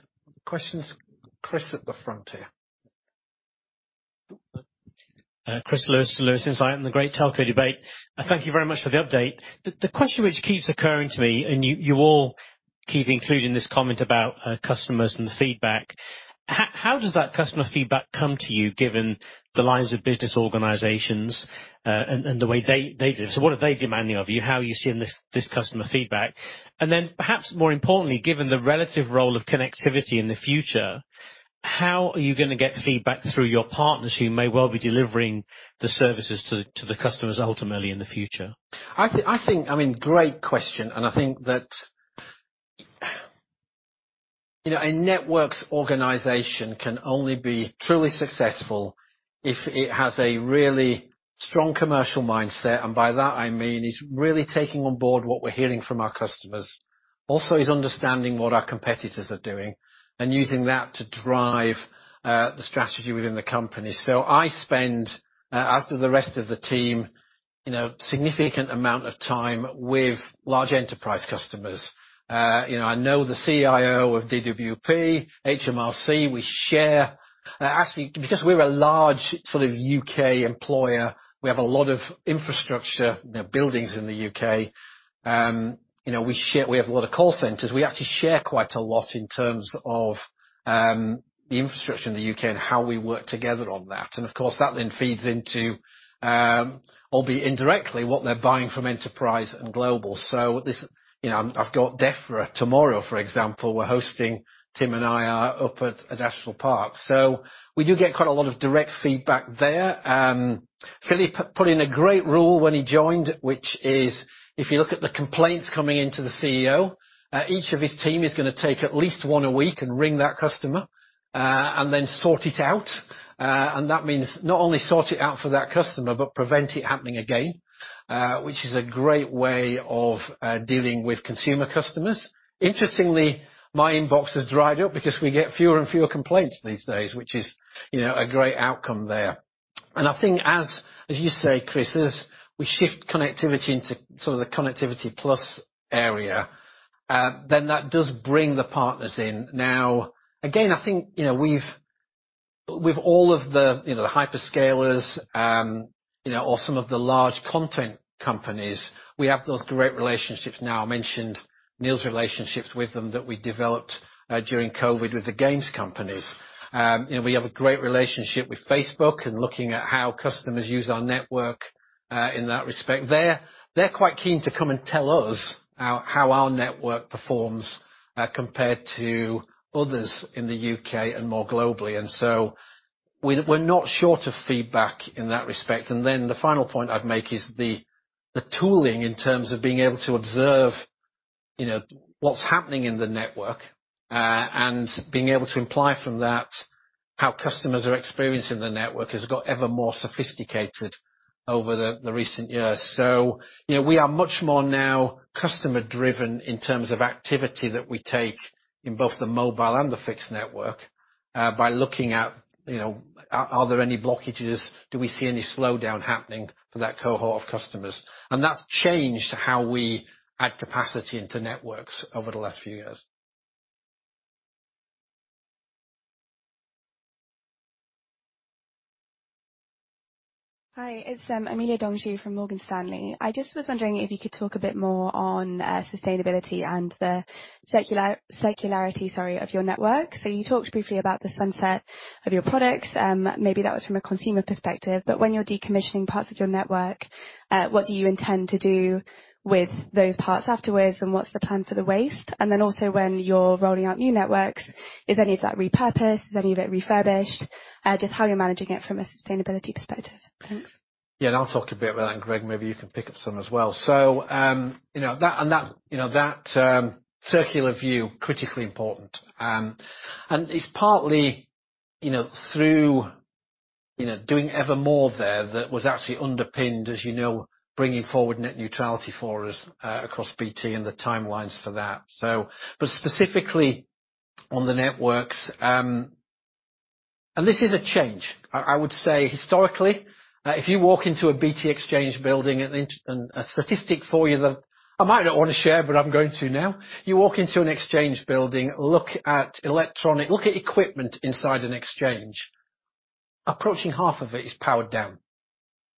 questions? Chris at the front here. Chris Lewis of Lewis Insight and the Great Telco Debate. I thank you very much for the update. The question which keeps occurring to me, and you all keep including this comment about customers and the feedback. How does that customer feedback come to you, given the lines of business organizations, and the way they do? What are they demanding of you? How are you seeing this customer feedback? Perhaps more importantly, given the relative role of connectivity in the future, how are you gonna get feedback through your partners who may well be delivering the services to the customers ultimately in the future? I think... I mean, great question, and I think that, you know, a networks organization can only be truly successful if it has a really strong commercial mindset. By that, I mean, it's really taking on board what we're hearing from our customers. Also, it's understanding what our competitors are doing and using that to drive the strategy within the company. I spend, as do the rest of the team, you know, significant amount of time with large enterprise customers. You know, I know the CIO of DWP, HMRC. Actually, because we're a large sort of U.K. Employer, we have a lot of infrastructure, you know, buildings in the U.K. You know, we have a lot of call centers. We actually share quite a lot in terms of the infrastructure in the U.K. and how we work together on that. Of course, that then feeds into, albeit indirectly, what they're buying from enterprise and global. This, you know, I've got DEFRA tomorrow, for example. We're hosting, Tim and I are up at Adastral Park. We do get quite a lot of direct feedback there. Philip put in a great rule when he joined, which is if you look at the complaints coming into the CEO, each of his team is gonna take at least one a week and ring that customer, and then sort it out. That means not only sort it out for that customer, but prevent it happening again, which is a great way of dealing with consumer customers. Interestingly, my inbox has dried up because we get fewer and fewer complaints these days, which is, you know, a great outcome there. I think as you say, Chris, as we shift connectivity into sort of the connectivity plus area, then that does bring the partners in. Now, again, I think, you know, we've with all of the, you know, the hyperscalers, you know, or some of the large content companies, we have those great relationships. Now, I mentioned Neil's relationships with them that we developed during COVID with the games companies. You know, we have a great relationship with Facebook and looking at how customers use our network in that respect. They're quite keen to come and tell us how our network performs compared to others in the U.K. and more globally. We're not short of feedback in that respect. The final point I'd make is the tooling in terms of being able to observe. You know, what's happening in the network, and being able to imply from that how customers are experiencing the network has got ever more sophisticated over the recent years. You know, we are much more now customer driven in terms of activity that we take in both the mobile and the fixed network, by looking at, you know, are there any blockages? Do we see any slowdown happening for that cohort of customers? That's changed how we add capacity into networks over the last few years. Hi, it's Emilia Dancu from Morgan Stanley. I just was wondering if you could talk a bit more on sustainability and the circularity of your network. You talked briefly about the sunset of your products, maybe that was from a consumer perspective. When you're decommissioning parts of your network, what do you intend to do with those parts afterwards, and what's the plan for the waste? Then also when you're rolling out new networks, is any of that repurposed, is any of it refurbished? Just how you're managing it from a sustainability perspective. Thanks. Yeah, I'll talk a bit about that, and Greg, maybe you can pick up some as well. You know, that circular view, critically important. It's partly, you know, through, you know, doing evermore there that was actually underpinned, as you know, bringing forward net neutrality for us, across BT and the timelines for that. Specifically on the networks, and this is a change. I would say historically, if you walk into a BT exchange building and a statistic for you that I might not wanna share, but I'm going to now. You walk into an exchange building, look at equipment inside an exchange. Approaching half of it is powered down.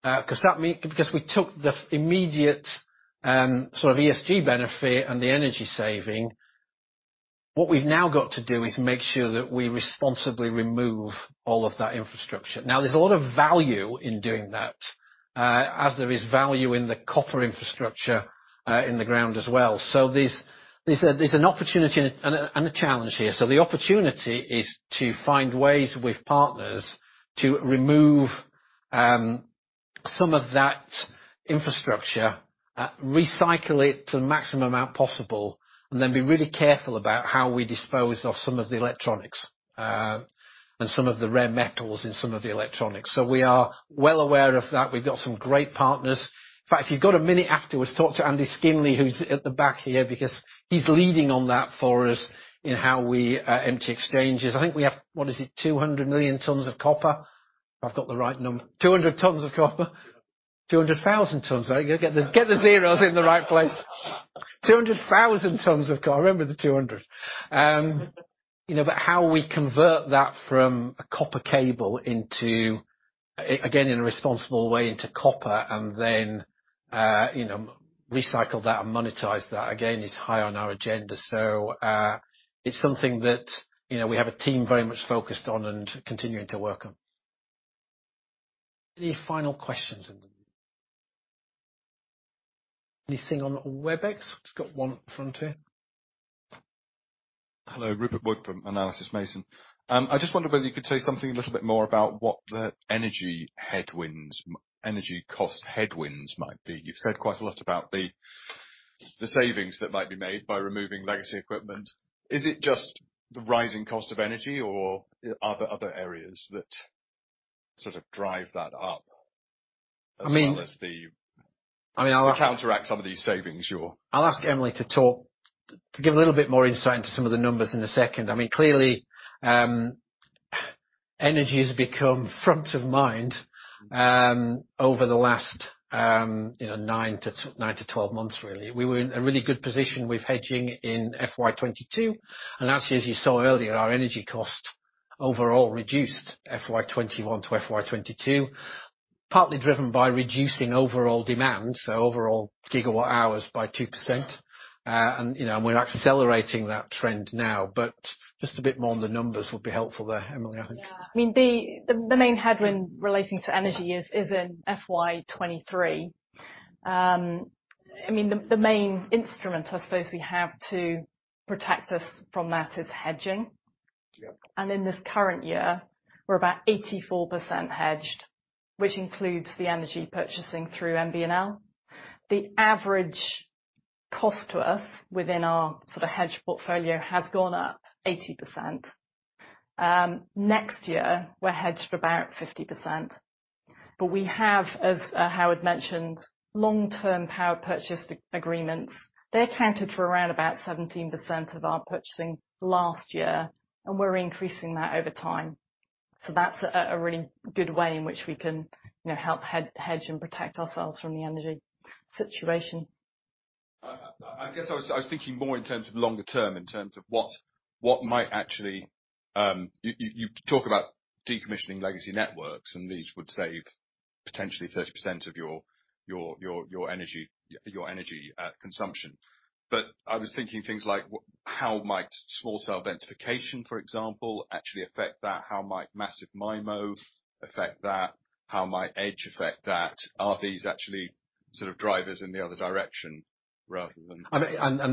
Because we took the immediate, sort of ESG benefit and the energy saving. What we've now got to do is make sure that we responsibly remove all of that infrastructure. Now, there's a lot of value in doing that, as there is value in the copper infrastructure in the ground as well. There's an opportunity and a challenge here. The opportunity is to find ways with partners to remove some of that infrastructure, recycle it to the maximum amount possible, and then be really careful about how we dispose of some of the electronics, and some of the rare metals and some of the electronics. We are well aware of that. We've got some great partners. In fact, if you've got a minute afterwards, talk to Andy Skingley, who's at the back here because he's leading on that for us in how we empty exchanges. I think we have, what is it? 200 million tons of copper. I've got the right number. 200 tons of copper. 200,000 tons. There you go. Get the zeros in the right place. 200,000 tons. I remember the 200. You know, but how we convert that from a copper cable into again, in a responsible way into copper and then, you know, recycle that and monetize that again is high on our agenda. It's something that, you know, we have a team very much focused on and continuing to work on. Any final questions? Anything on the Webex? Just got one at the front here. Hello, Rupert Wood from Analysys Mason. I just wondered whether you could say something a little bit more about what the energy headwinds, energy cost headwinds might be. You've said quite a lot about the savings that might be made by removing legacy equipment. Is it just the rising cost of energy or are there other areas that sort of drive that up? I mean. As well as the- I mean, I'll ask. to counteract some of these savings you're I'll ask Emily to talk, to give a little bit more insight into some of the numbers in a second. I mean, clearly, energy has become front of mind over the last 9 to 12 months, really. We were in a really good position with hedging in FY22, and actually, as you saw earlier, our energy cost overall reduced FY21 to FY22, partly driven by reducing overall demand, so overall GWh by 2%. You know, and we're accelerating that trend now. Just a bit more on the numbers would be helpful there, Emily, I think. I mean, the main headwind relating to energy is in FY23. I mean, the main instrument, I suppose, we have to protect us from that is hedging. Yep. In this current year, we're about 84% hedged, which includes the energy purchasing through MBNL. The average cost to us within our sort of hedged portfolio has gone up 80%. Next year, we're hedged for about 50%. We have, as Howard mentioned, long-term power purchase agreements. They accounted for around about 17% of our purchasing last year, and we're increasing that over time. That's a really good way in which we can, you know, help hedge and protect ourselves from the energy situation. I guess I was thinking more in terms of longer term, in terms of what might actually you talk about decommissioning legacy networks, and these would save potentially 30% of your energy consumption. I was thinking things like how might small cell densification, for example, actually affect that? How might Massive MIMO affect that? How might edge affect that? Are these actually sort of drivers in the other direction rather than- I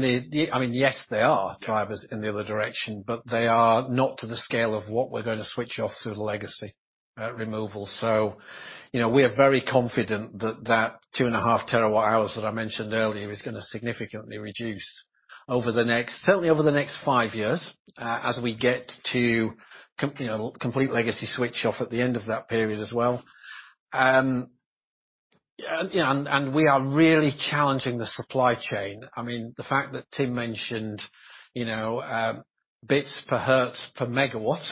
mean, yes, they are drivers in the other direction, but they are not to the scale of what we're gonna switch off to the legacy removal. You know, we are very confident that that 2.5 TWh that I mentioned earlier is gonna significantly reduce, certainly over the next 5 years, as we get to, you know, complete legacy switch off at the end of that period as well. We are really challenging the supply chain. I mean, the fact that Tim mentioned, you know, bits per hertz per megawatt,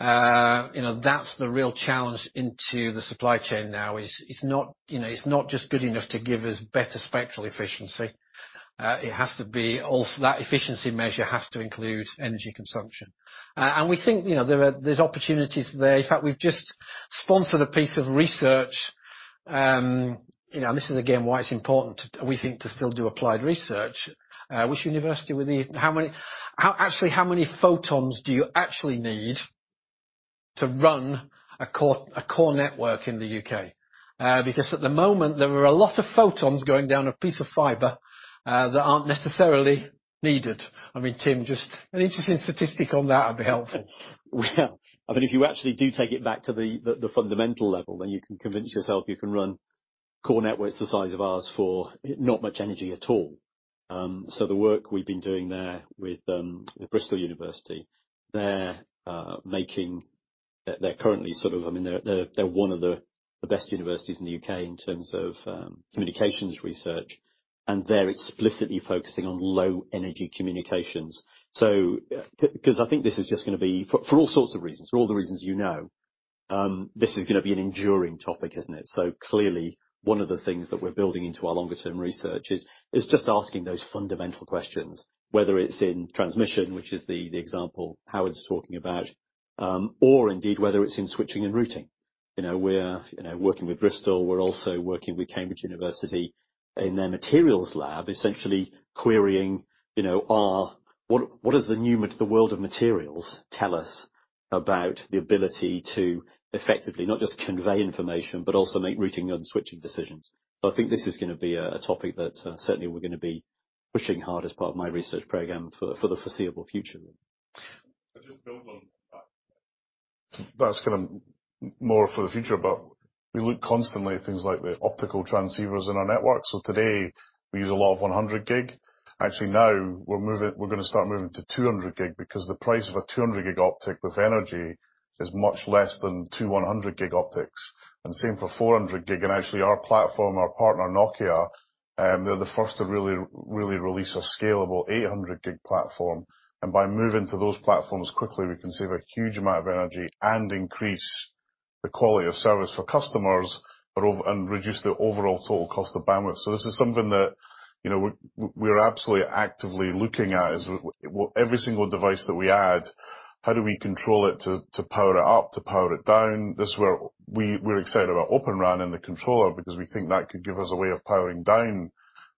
you know, that's the real challenge to the supply chain now. It's not, you know, it's not just good enough to give us better spectral efficiency. It has to be also that efficiency measure has to include energy consumption. We think, you know, there's opportunities there. In fact, we've just sponsored a piece of research, you know, and this is again why it's important, we think, to still do applied research. Actually how many photons do you actually need to run a core network in the U.K.? Because at the moment, there are a lot of photons going down a piece of fiber that aren't necessarily needed. I mean, Tim, just an interesting statistic on that would be helpful. Well, I mean, if you actually do take it back to the fundamental level, then you can convince yourself you can run core networks the size of ours for not much energy at all. The work we've been doing there with University of Bristol, they're one of the best universities in the UK in terms of communications research, and they're explicitly focusing on low-energy communications. 'Cause I think this is just gonna be for all sorts of reasons, for all the reasons you know, this is gonna be an enduring topic, isn't it? Clearly, one of the things that we're building into our longer term research is just asking those fundamental questions, whether it's in transmission, which is the example Howard's talking about, or indeed, whether it's in switching and routing. You know, we're working with Bristol. We're also working with Cambridge University in their materials lab, essentially querying, you know, what the world of materials tell us about the ability to effectively not just convey information but also make routing and switching decisions. I think this is gonna be a topic that certainly we're gonna be pushing hard as part of my research program for the foreseeable future. To just build on that. That's kinda more for the future, but we look constantly at things like the optical transceivers in our network. Today, we use a lot of 100 gig. Actually, now we're gonna start moving to 200 gig because the price of a 200 gig optic with energy is much less than two 100 gig optics. Same for 400 gig. Actually, our platform, our partner, Nokia, they're the first to really release a scalable 800 gig platform. By moving to those platforms quickly, we can save a huge amount of energy and increase the quality of service for customers and reduce the overall total cost of bandwidth. This is something that, you know, we're absolutely actively looking at is well, every single device that we add, how do we control it to power it up, to power it down? This is where we're excited about Open RAN and the controller because we think that could give us a way of powering down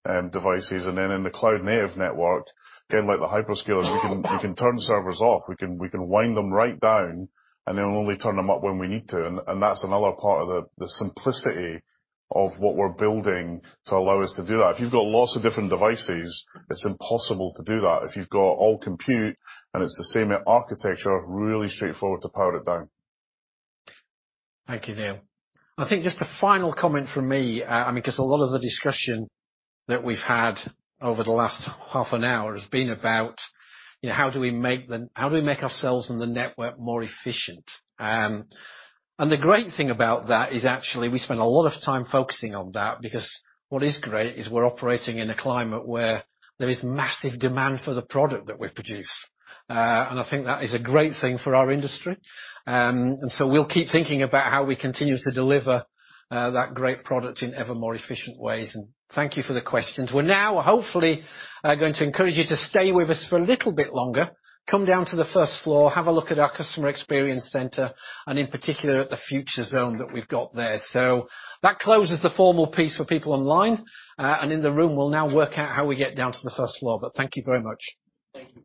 devices. Then in the cloud-native network, again, like the hyperscalers, we can turn servers off. We can wind them right down and then only turn them up when we need to. That's another part of the simplicity of what we're building to allow us to do that. If you've got lots of different devices, it's impossible to do that. If you've got all compute and it's the same architecture, really straightforward to power it down. Thank you, Neil. I think just a final comment from me, I mean, 'cause a lot of the discussion that we've had over the last half an hour has been about, you know, how do we make ourselves and the network more efficient? The great thing about that is actually we spend a lot of time focusing on that because what is great is we're operating in a climate where there is massive demand for the product that we produce. I think that is a great thing for our industry. So we'll keep thinking about how we continue to deliver that great product in ever more efficient ways. Thank you for the questions. We're now hopefully going to encourage you to stay with us for a little bit longer. Come down to the first floor, have a look at our customer experience center, and in particular, at the Future Zone that we've got there. That closes the formal piece for people online. In the room, we'll now work out how we get down to the first floor. Thank you very much. Thank you.